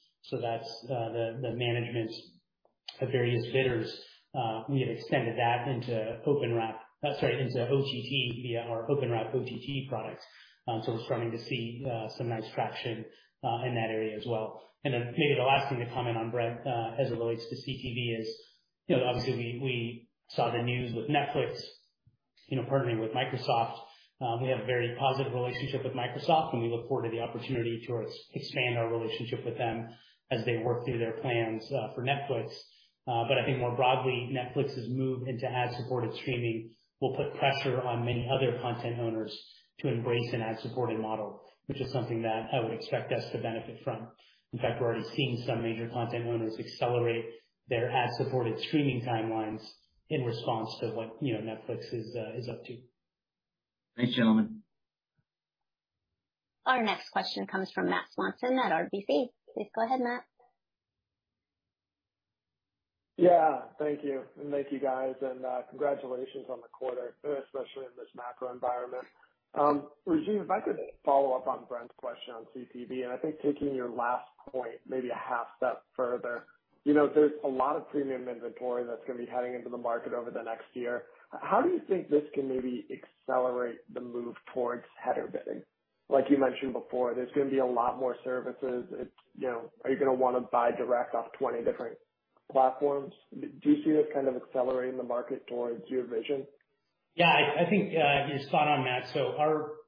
Speaker 3: That's the management of various bidders. We have extended that into OpenWrap. Sorry, into OTT via our OpenWrap OTT products. So we're starting to see some nice traction in that area as well. Then maybe the last thing to comment on, Brent, as it relates to CTV is, you know, obviously we saw the news with Netflix, you know, partnering with Microsoft. We have a very positive relationship with Microsoft, and we look forward to the opportunity to expand our relationship with them as they work through their plans for Netflix. But I think more broadly, Netflix's move into ad-supported streaming will put pressure on many other content owners to embrace an ad-supported model, which is something that I would expect us to benefit from. In fact, we're already seeing some major content owners accelerate their ad-supported streaming timelines in response to what, you know, Netflix is up to.
Speaker 6: Thanks, gentlemen.
Speaker 2: Our next question comes from Matt Swanson at RBC. Please go ahead, Matt.
Speaker 7: Yeah. Thank you. Thank you guys, and congratulations on the quarter, especially in this macro environment. Rajeev, if I could follow up on Brent's question on CTV, and I think taking your last point maybe a half step further. You know, there's a lot of premium inventory that's gonna be heading into the market over the next year. How do you think this can maybe accelerate the move towards header bidding? Like you mentioned before, there's gonna be a lot more services. It's, you know, are you gonna wanna buy direct off 20 different platforms? Do you see this kind of accelerating the market towards your vision?
Speaker 3: Yeah, I think you're spot on, Matt.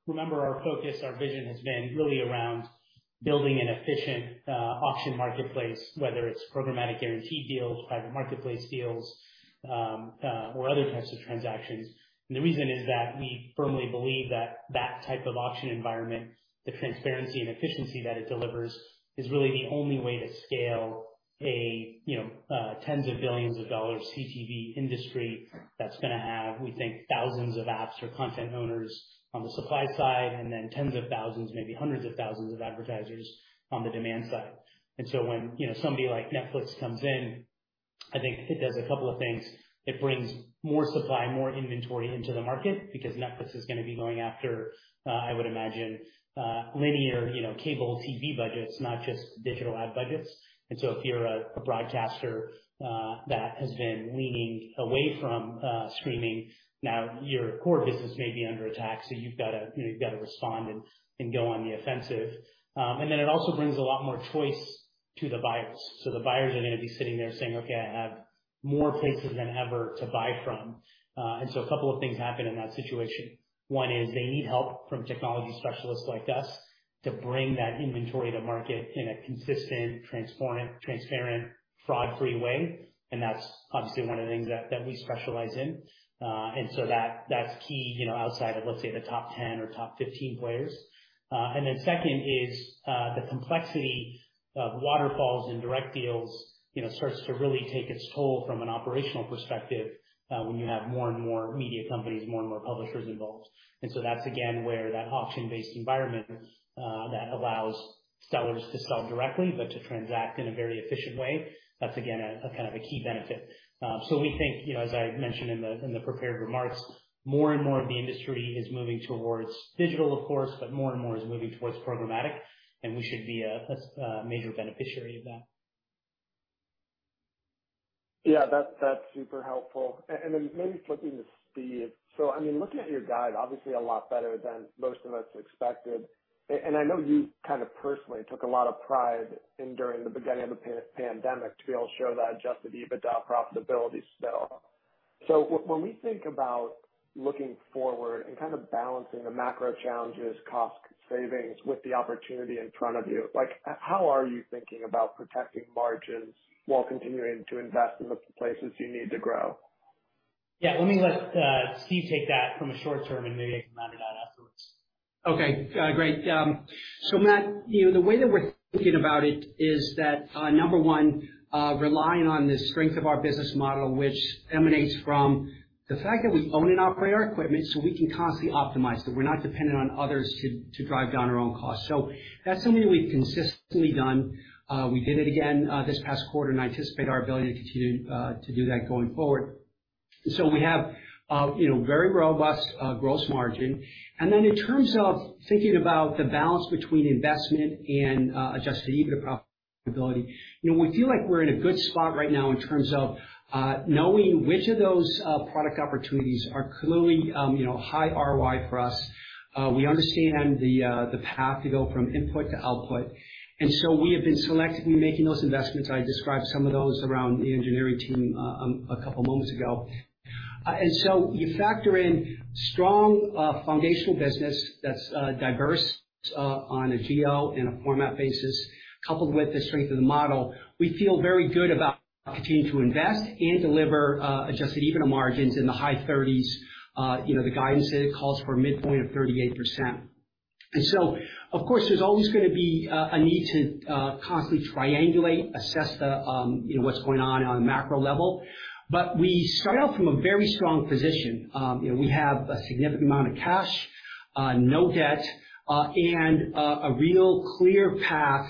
Speaker 3: Remember our focus, our vision has been really around building an efficient auction marketplace, whether it's programmatic guaranteed deals, private marketplace deals, or other types of transactions. The reason is that we firmly believe that that type of auction environment, the transparency and efficiency that it delivers, is really the only way to scale a you know tens of billions of dollars CTV industry that's gonna have, we think, thousands of apps or content owners on the supply side, and then tens of thousands, maybe hundreds of thousands of advertisers on the demand side. When you know somebody like Netflix comes in, I think it does a couple of things. It brings more supply, more inventory into the market because Netflix is gonna be going after, I would imagine, linear, you know, cable TV budgets, not just digital ad budgets. If you're a broadcaster that has been leaning away from streaming, now your core business may be under attack, so you've gotta respond and go on the offensive. It also brings a lot more choice to the buyers. The buyers are gonna be sitting there saying, "Okay, I have more places than ever to buy from." A couple of things happen in that situation. One is they need help from technology specialists like us to bring that inventory to market in a consistent, transparent, fraud-free way, and that's obviously one of the things that we specialize in. That's key, you know, outside of, let's say, the top 10 or top 15 players. Second is the complexity of waterfalls and direct deals, you know, starts to really take its toll from an operational perspective, when you have more and more media companies, more and more publishers involved. That's again where that auction-based environment that allows sellers to sell directly, but to transact in a very efficient way, that's again a kind of key benefit. We think, you know, as I mentioned in the prepared remarks, more and more of the industry is moving towards digital, of course, but more and more is moving towards programmatic, and we should be a major beneficiary of that.
Speaker 7: Yeah, that's super helpful. Then maybe flipping to Steve. I mean, looking at your guide, obviously a lot better than most of us expected. I know you kind of personally took a lot of pride in during the beginning of the pandemic to be able to show that Adjusted EBITDA profitability skill. When we think about looking forward and kind of balancing the macro challenges, cost savings with the opportunity in front of you, like how are you thinking about protecting margins while continuing to invest in the places you need to grow?
Speaker 3: Yeah. Let me let Steve take that from a short term, and maybe I can comment on afterwards.
Speaker 4: Okay. Great. So, Matt, you know, the way that we're thinking about it is that, number one, relying on the strength of our business model, which emanates from the fact that we own and operate our equipment, so we can constantly optimize it. We're not dependent on others to drive down our own costs. That's something we've consistently done. We did it again, this past quarter, and I anticipate our ability to continue to do that going forward. We have, you know, very robust, gross margin. And then in terms of thinking about the balance between investment and Adjusted EBITDA profitability, you know, we feel like we're in a good spot right now in terms of, knowing which of those, product opportunities are clearly, you know, high ROI for us. We understand the path to go from input to output, and so we have been selectively making those investments. I described some of those around the engineering team a couple moments ago. You factor in strong foundational business that's diverse on a geo and a format basis, coupled with the strength of the model. We feel very good about continuing to invest and deliver Adjusted EBITDA margins in the high 30s%. You know, the guidance that it calls for, midpoint of 38%. Of course, there's always gonna be a need to constantly triangulate, assess, you know, what's going on on a macro level. We start out from a very strong position. You know, we have a significant amount of cash, no debt, and a real clear path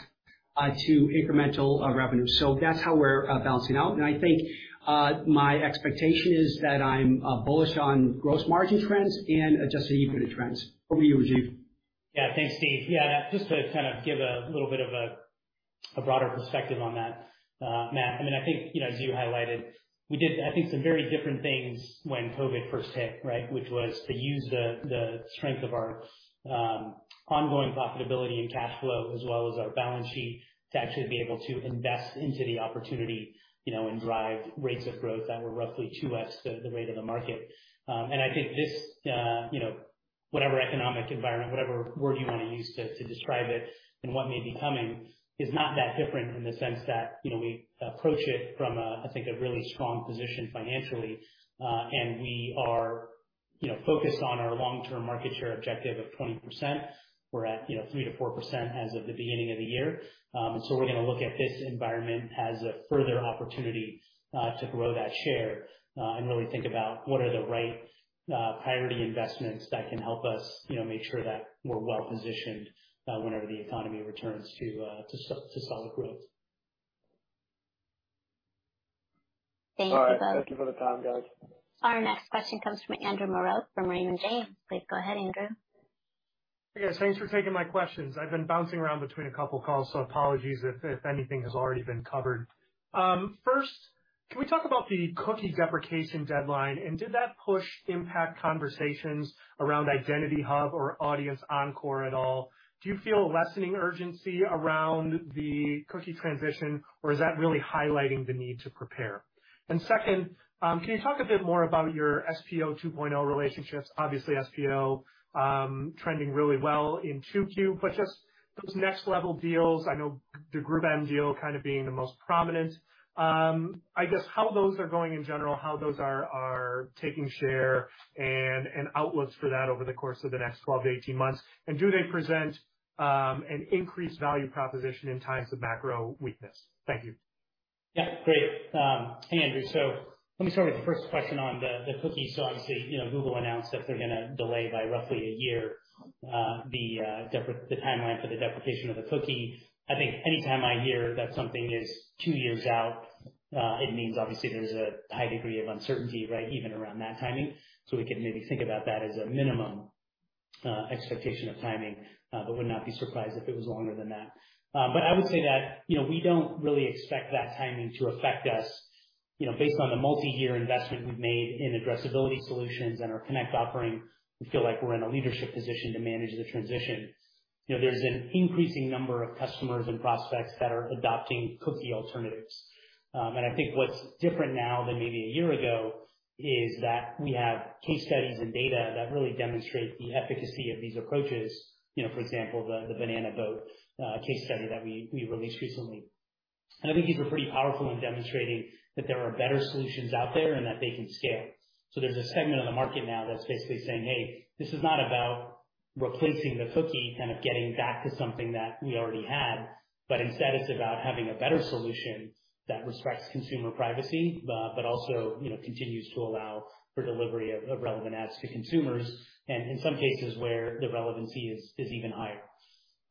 Speaker 4: to incremental revenue. That's how we're balancing out. I think my expectation is that I'm bullish on gross margin trends and Adjusted EBITDA trends. Over to you, Rajeev.
Speaker 3: Yeah. Thanks, Steve. Yeah, just to kind of give a little bit of a broader perspective on that, Matt. I mean, I think, you know, as you highlighted, we did I think some very different things when COVID first hit, right? Which was to use the strength of our ongoing profitability and cash flow as well as our balance sheet to actually be able to invest into the opportunity, you know, and drive rates of growth that were roughly 2x the rate of the market. I think this, you know, whatever economic environment, whatever word you wanna use to describe it and what may be coming, is not that different in the sense that, you know, we approach it from a, I think, a really strong position financially. We are, you know, focused on our long-term market share objective of 20%. We're at, you know, 3%-4% as of the beginning of the year. We're gonna look at this environment as a further opportunity to grow that share and really think about what are the right priority investments that can help us, you know, make sure that we're well positioned whenever the economy returns to solid growth.
Speaker 2: Thank you both.
Speaker 7: All right. Thank you for the time, guys.
Speaker 2: Our next question comes from Andrew Marok from Raymond James. Please go ahead, Andrew.
Speaker 8: Yes, thanks for taking my questions. I've been bouncing around between a couple calls, so apologies if anything has already been covered. First- Can we talk about the cookie deprecation deadline? Did that push impact conversations around Identity Hub or Audience Encore at all? Do you feel lessening urgency around the cookie transition, or is that really highlighting the need to prepare? Second, can you talk a bit more about your SPO 2.0 relationships? Obviously, SPO trending really well in 2Q, but just those next level deals. I know the GroupM deal kind of being the most prominent. I guess how those are going in general, how those are taking share and outlooks for that over the course of the next 12-18 months and do they present an increased value proposition in times of macro weakness? Thank you.
Speaker 3: Yeah. Great. Hey, Andrew. Let me start with the first question on the cookie. Obviously, you know, Google announced that they're gonna delay by roughly a year the timeline for the deprecation of the cookie. I think anytime I hear that something is two years out it means obviously there's a high degree of uncertainty, right, even around that timing. We can maybe think about that as a minimum expectation of timing but would not be surprised if it was longer than that. But I would say that, you know, we don't really expect that timing to affect us. You know, based on the multi-year investment we've made in addressability solutions and our Connect offering, we feel like we're in a leadership position to manage the transition. You know, there's an increasing number of customers and prospects that are adopting cookie alternatives. I think what's different now than maybe a year ago is that we have case studies and data that really demonstrate the efficacy of these approaches, you know, for example, the Banana Boat case study that we released recently. I think these were pretty powerful in demonstrating that there are better solutions out there and that they can scale. There's a segment of the market now that's basically saying, "Hey, this is not about replacing the cookie, kind of getting back to something that we already had, but instead it's about having a better solution that respects consumer privacy, but also, you know, continues to allow for delivery of relevant ads to consumers, and in some cases where the relevancy is even higher."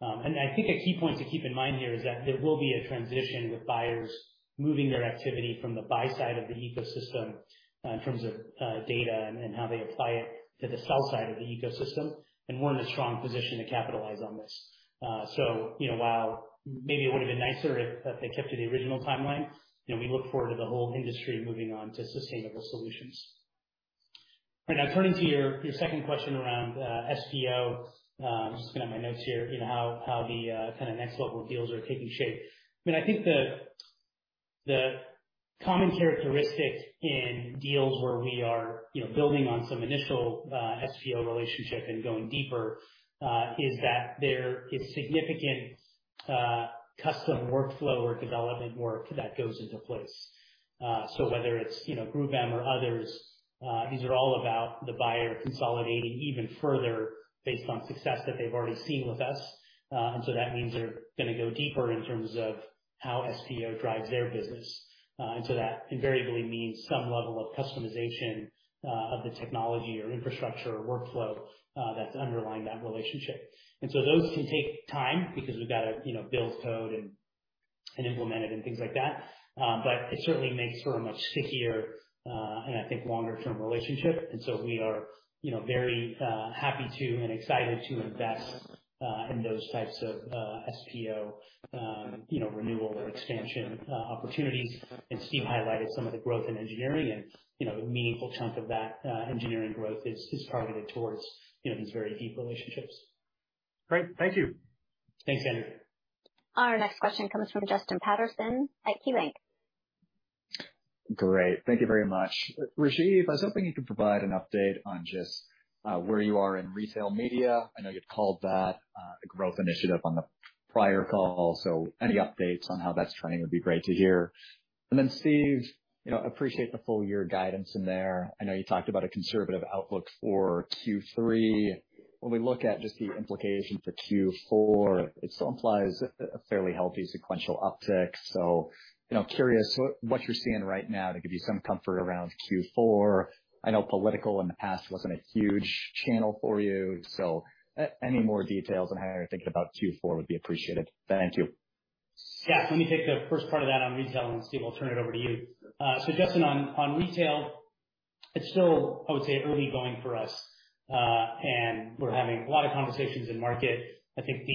Speaker 3: I think a key point to keep in mind here is that there will be a transition with buyers moving their activity from the buy side of the ecosystem in terms of data and how they apply it to the sell side of the ecosystem, and we're in a strong position to capitalize on this. You know, while maybe it would've been nicer if they kept to the original timeline, you know, we look forward to the whole industry moving on to sustainable solutions. All right, now turning to your second question around SPO. I'm just looking at my notes here, you know, how the kind of next level deals are taking shape. I mean, I think the common characteristic in deals where we are, you know, building on some initial SPO relationship and going deeper, is that there is significant custom workflow or development work that goes into place. whether it's, you know, GroupM or others, these are all about the buyer consolidating even further based on success that they've already seen with us. That means they're gonna go deeper in terms of how SPO drives their business. That invariably means some level of customization of the technology or infrastructure or workflow that's underlying that relationship. Those can take time because we've got to you know build code and implement it and things like that. But it certainly makes for a much stickier and I think longer term relationship. We are you know very happy to and excited to invest in those types of SPO you know renewal or expansion opportunities. Steve highlighted some of the growth in engineering and you know a meaningful chunk of that engineering growth is targeted towards you know these very deep relationships.
Speaker 8: Great. Thank you.
Speaker 3: Thanks, Andrew.
Speaker 2: Our next question comes from Justin Patterson at KeyBanc.
Speaker 9: Great. Thank you very much. Rajeev, I was hoping you could provide an update on just where you are in retail media. I know you'd called that a growth initiative on the prior call, so any updates on how that's trending would be great to hear. Then Steve, you know, appreciate the full year guidance in there. I know you talked about a conservative outlook for Q3. When we look at just the implication for Q4, it still implies a fairly healthy sequential uptick. You know, curious what you're seeing right now to give you some comfort around Q4. I know political in the past wasn't a huge channel for you, so any more details on how you're thinking about Q4 would be appreciated. Thank you.
Speaker 3: Yeah. Let me take the first part of that on retail, and Steve, I'll turn it over to you. Justin, on retail, it's still, I would say, early going for us, and we're having a lot of conversations in market. I think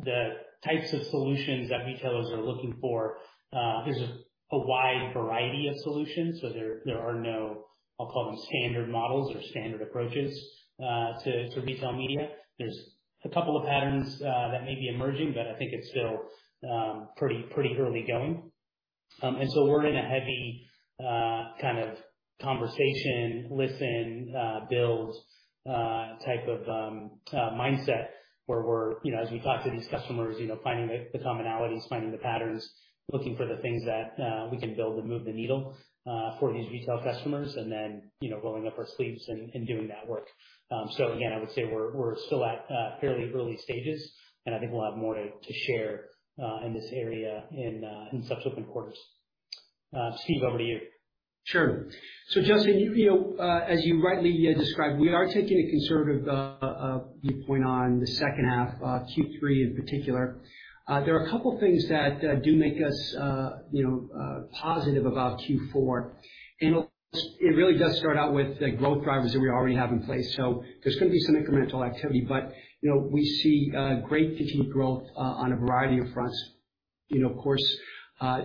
Speaker 3: the types of solutions that retailers are looking for, there's a wide variety of solutions, so there are no, I'll call them standard models or standard approaches, to retail media. There's a couple of patterns that may be emerging, but I think it's still pretty early going. We're in a heavy kind of listening and building type of mindset where we're, you know, as we talk to these customers, you know, finding the commonalities, finding the patterns, looking for the things that we can build to move the needle for these retail customers, and then, you know, rolling up our sleeves and doing that work. Again, I would say we're still at fairly early stages, and I think we'll have more to share in this area in subsequent quarters. Steve, over to you.
Speaker 8: Sure. Justin, you know, as you rightly described, we are taking a conservative viewpoint on the second half, Q3 in particular. There are a couple things that do make us, you know, positive about Q4, and it really does start out with the growth drivers that we already have in place. There's gonna be some incremental activity, but, you know, we see great repeat growth on a variety of fronts. You know, of course,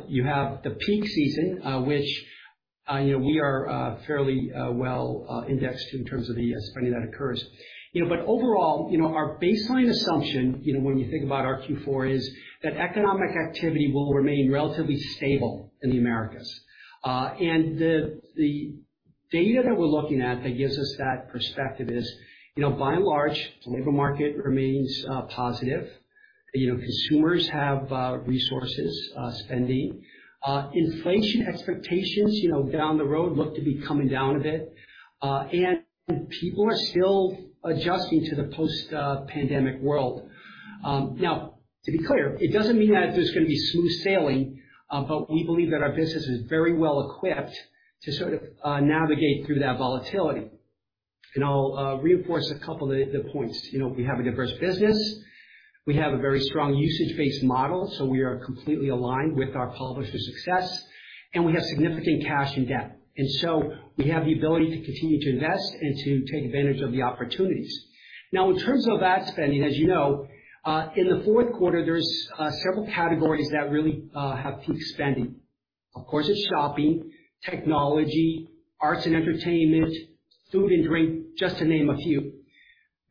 Speaker 8: you have the peak season, which.
Speaker 4: You know, we are fairly well indexed in terms of the spending that occurs. You know, overall, our baseline assumption, you know, when you think about our Q4, is that economic activity will remain relatively stable in the Americas. The data that we're looking at that gives us that perspective is, you know, by and large, the labor market remains positive. You know, consumers have resources, spending. Inflation expectations, you know, down the road look to be coming down a bit. People are still adjusting to the post-pandemic world. Now to be clear, it doesn't mean that there's gonna be smooth sailing, but we believe that our business is very well equipped to sort of navigate through that volatility. I'll reinforce a couple of the points. You know, we have a diverse business. We have a very strong usage-based model, so we are completely aligned with our publishers' success, and we have significant cash and debt. We have the ability to continue to invest and to take advantage of the opportunities. Now, in terms of ad spending, as you know, in the fourth quarter, there's several categories that really have peak spending. Of course, it's shopping, technology, arts and entertainment, food and drink, just to name a few.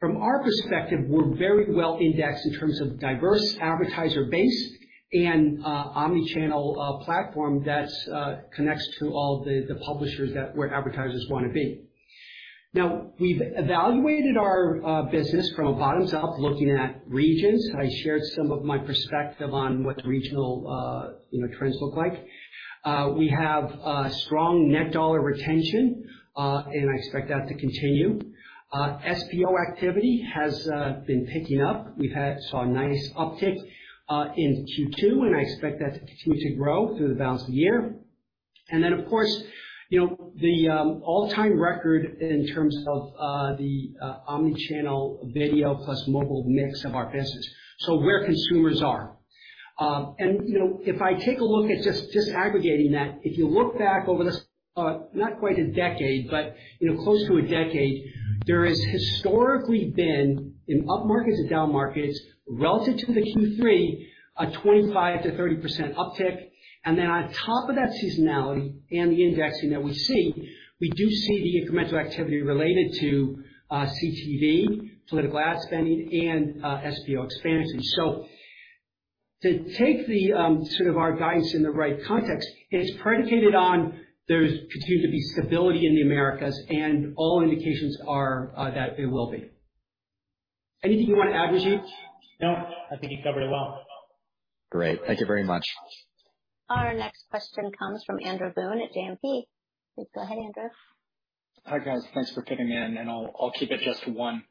Speaker 4: From our perspective, we're very well indexed in terms of diverse advertiser base and omni-channel platform that connects to all the publishers where advertisers wanna be. Now, we've evaluated our business from a bottoms-up looking at regions. I shared some of my perspective on what the regional trends look like. We have strong net dollar retention, and I expect that to continue. SPO activity has been picking up. We saw a nice uptick in Q2, and I expect that to continue to grow through the balance of the year. Of course, you know, the all-time record in terms of the omni-channel video plus mobile mix of our business, so where consumers are. You know, if I take a look at just aggregating that, if you look back over this not quite a decade, but you know, close to a decade, there has historically been, in up markets and down markets, relative to the Q3, a 25%-30% uptick. On top of that seasonality and the indexing that we see, we do see the incremental activity related to CTV, political ad spending, and SPO expansion. To take the sort of our guidance in the right context, it is predicated on there's continued to be stability in the Americas, and all indications are that it will be. Anything you wanna add, Rajeev?
Speaker 3: No, I think you covered it well.
Speaker 9: Great. Thank you very much.
Speaker 2: Our next question comes from Andrew Boone at JMP. Please go ahead, Andrew.
Speaker 10: Hi, guys. Thanks for fitting me in, and I'll keep it just one.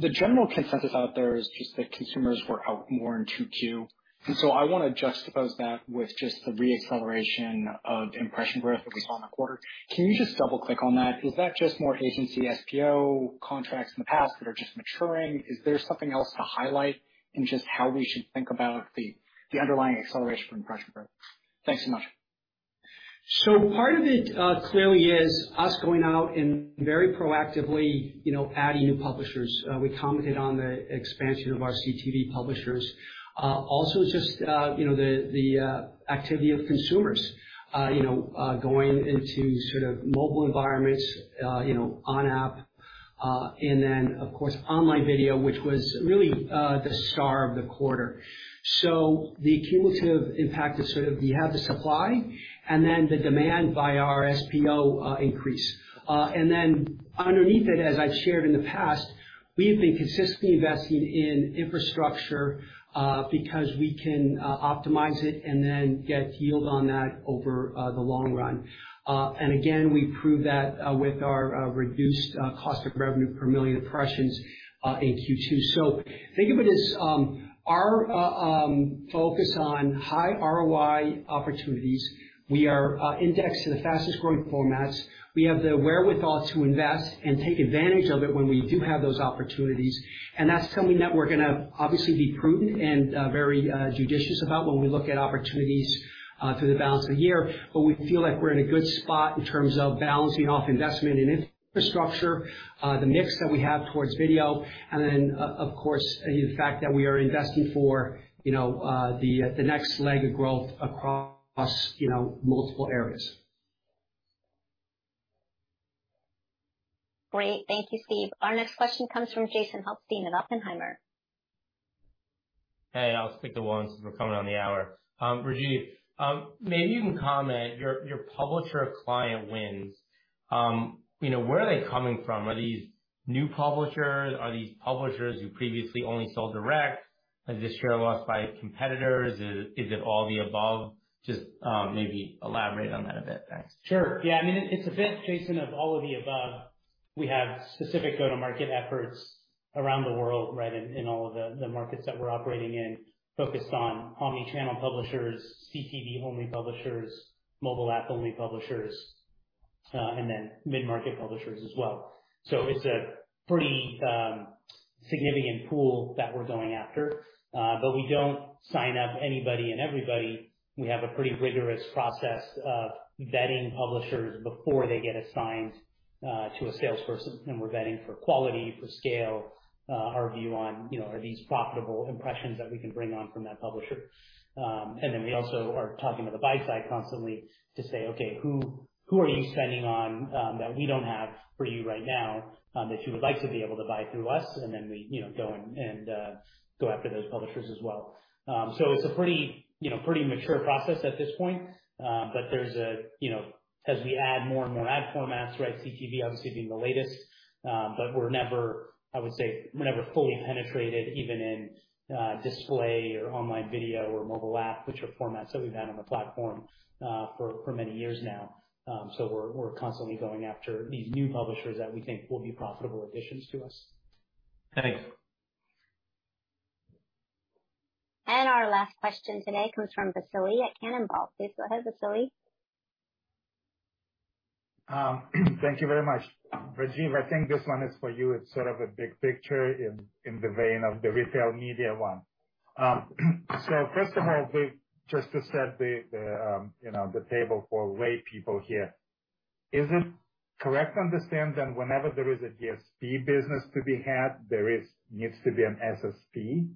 Speaker 10: The general consensus out there is just that consumers were out more in 2Q. I wanna juxtapose that with just the re-acceleration of impression growth that we saw in the quarter. Can you just double-click on that? Is that just more agency SPO contracts in the past that are just maturing? Is there something else to highlight in just how we should think about the underlying acceleration for impression growth? Thanks so much.
Speaker 4: Part of it clearly is us going out and very proactively, you know, adding new publishers. We commented on the expansion of our CTV publishers. Also just, you know, the activity of consumers, you know, going into sort of mobile environments, you know, on app, and then of course, online video, which was really the star of the quarter. The cumulative impact is sort of you have the supply and then the demand via our SPO increase. Underneath it, as I've shared in the past, we have been consistently investing in infrastructure because we can optimize it and then get yield on that over the long run. Again, we prove that with our reduced cost of revenue per million impressions in Q2. Think of it as our focus on high ROI opportunities. We are indexed to the fastest growing formats. We have the wherewithal to invest and take advantage of it when we do have those opportunities, and that's something that we're gonna obviously be prudent and very judicious about when we look at opportunities through the balance of the year. We feel like we're in a good spot in terms of balancing off investment in infrastructure, the mix that we have towards video, and then of course, the fact that we are investing for you know the next leg of growth across you know multiple areas.
Speaker 2: Great. Thank you, Steve. Our next question comes from Jason Helfstein at Oppenheimer.
Speaker 11: Hey, I'll just pick it once since we're coming on the hour. Rajeev, maybe you can comment, your publisher client wins, you know, where are they coming from? Are these new publishers? Are these publishers who previously only sold direct? Is this share loss by competitors? Is it all the above? Just, maybe elaborate on that a bit. Thanks.
Speaker 3: Sure. Yeah. I mean, it's a bit, Jason, of all of the above. We have specific go-to-market efforts around the world, right, in all of the markets that we're operating in, focused on omni-channel publishers, CTV-only publishers, mobile app-only publishers, and then mid-market publishers as well. It's a pretty significant pool that we're going after. We don't sign up anybody and everybody. We have a pretty rigorous process of vetting publishers before they get assigned to a salesperson, and we're vetting for quality, for scale, our view on, you know, are these profitable impressions that we can bring on from that publisher. Then we also are talking to the buy side constantly to say, "Okay, who are you spending on that we don't have for you right now that you would like to be able to buy through us?" Then we, you know, go and go after those publishers as well. It's a pretty, you know, pretty mature process at this point. There's, you know, as we add more and more ad formats, right, CTV obviously being the latest, but we're never, I would say, fully penetrated, even in display or online video or mobile app, which are formats that we've had on the platform for many years now. We're constantly going after these new publishers that we think will be profitable additions to us.
Speaker 11: Thanks.
Speaker 2: Our last question today comes from Vasily at Cannonball. Please go ahead, Vasily.
Speaker 12: Thank you very much. Rajeev, I think this one is for you. It's sort of a big picture in the vein of the retail media one. First of all, just to set the table for lay people here, you know, is it correct understand that whenever there is a DSP business to be had, there needs to be an SSP?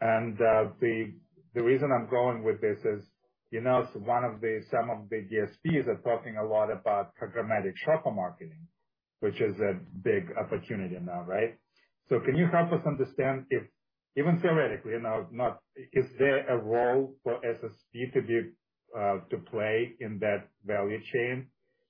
Speaker 12: The reason I'm going with this is, you know, some of the DSPs are talking a lot about programmatic shopper marketing, which is a big opportunity now, right? Can you help us understand if even theoretically, you know, is there a role for SSP to play in that value chain?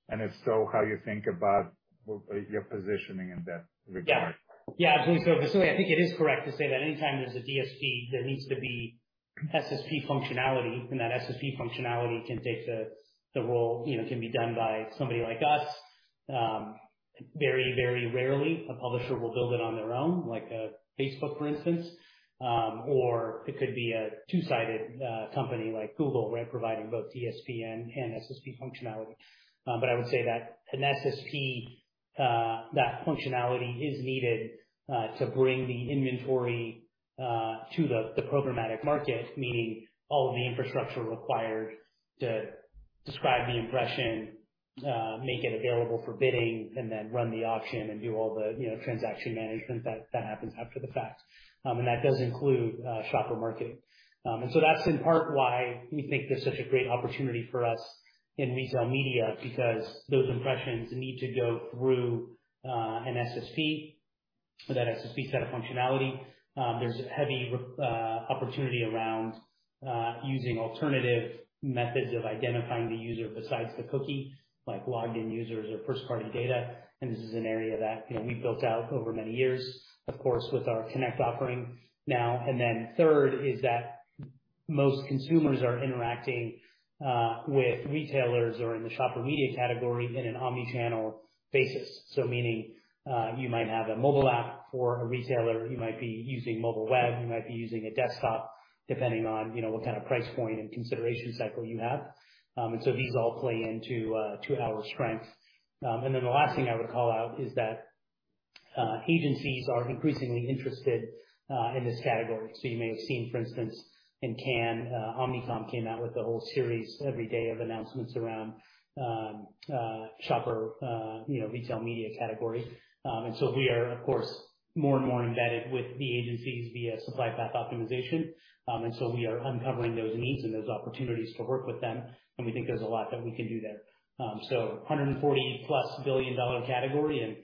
Speaker 12: And if so, how you think about your positioning in that regard?
Speaker 3: Yeah. Yeah, absolutely. Vasily, I think it is correct to say that anytime there's a DSP, there needs to be SSP functionality, and that SSP functionality can take the role, you know, can be done by somebody like us. Very, very rarely a publisher will build it on their own, like a Facebook, for instance. Or it could be a two-sided company like Google, right? Providing both DSP and SSP functionality. I would say that an SSP that functionality is needed to bring the inventory to the programmatic market, meaning all of the infrastructure required to describe the impression make it available for bidding and then run the auction and do all the, you know, transaction management that happens after the fact. That does include shopper marketing. That's in part why we think this is such a great opportunity for us in retail media because those impressions need to go through an SSP or that SSP set of functionality. There's heavy opportunity around using alternative methods of identifying the user besides the cookie, like logged in users or first-party data. This is an area that, you know, we've built out over many years, of course, with our Connect offering now and then. Third is that most consumers are interacting with retailers or in the shopper media category in an omni-channel basis. Meaning, you might have a mobile app for a retailer, you might be using mobile web, you might be using a desktop, depending on, you know, what kind of price point and consideration cycle you have. These all play into our strength. The last thing I would call out is that agencies are increasingly interested in this category. You may have seen, for instance, in Cannes, Omnicom came out with a whole series every day of announcements around shopper, you know, retail media category. We are of course more and more embedded with the agencies via supply path optimization. We are uncovering those needs and those opportunities to work with them, and we think there's a lot that we can do there. $140+ billion-dollar category and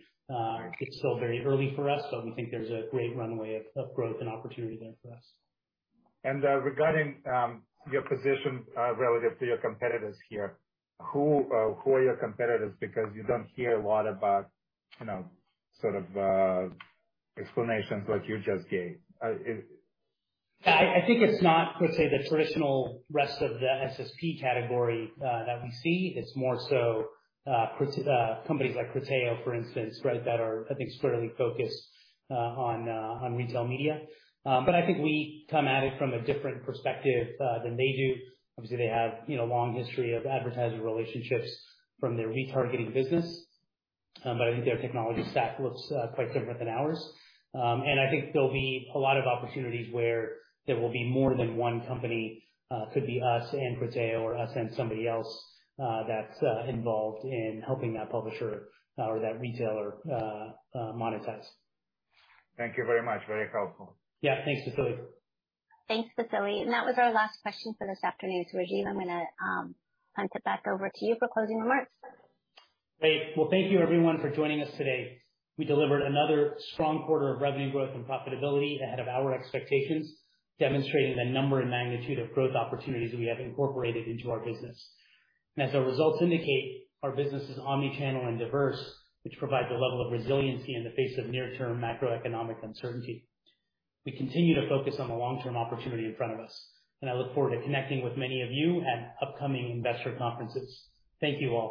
Speaker 3: it's still very early for us, so we think there's a great runway of growth and opportunity there for us.
Speaker 12: Regarding your position relative to your competitors here, who are your competitors? Because you don't hear a lot about, you know, sort of explanations like you just gave.
Speaker 3: I think it's not, per se, the traditional rest of the SSP category that we see. It's more so companies like Criteo, for instance, right? That are, I think, squarely focused on retail media. I think we come at it from a different perspective than they do. Obviously, they have, you know, long history of advertising relationships from their retargeting business. I think their technology stack looks quite different than ours. I think there'll be a lot of opportunities where there will be more than one company, could be us and Criteo or us and somebody else that's involved in helping that publisher or that retailer monetize.
Speaker 12: Thank you very much. Very helpful.
Speaker 3: Yeah. Thanks, Vasily.
Speaker 2: Thanks, Vasily. That was our last question for this afternoon. Rajeev, I'm gonna hand it back over to you for closing remarks.
Speaker 3: Great. Well, thank you everyone for joining us today. We delivered another strong quarter of revenue growth and profitability ahead of our expectations, demonstrating the number and magnitude of growth opportunities we have incorporated into our business. As our results indicate, our business is omni-channel and diverse, which provide the level of resiliency in the face of near-term macroeconomic uncertainty. We continue to focus on the long-term opportunity in front of us, and I look forward to connecting with many of you at upcoming investor conferences. Thank you all.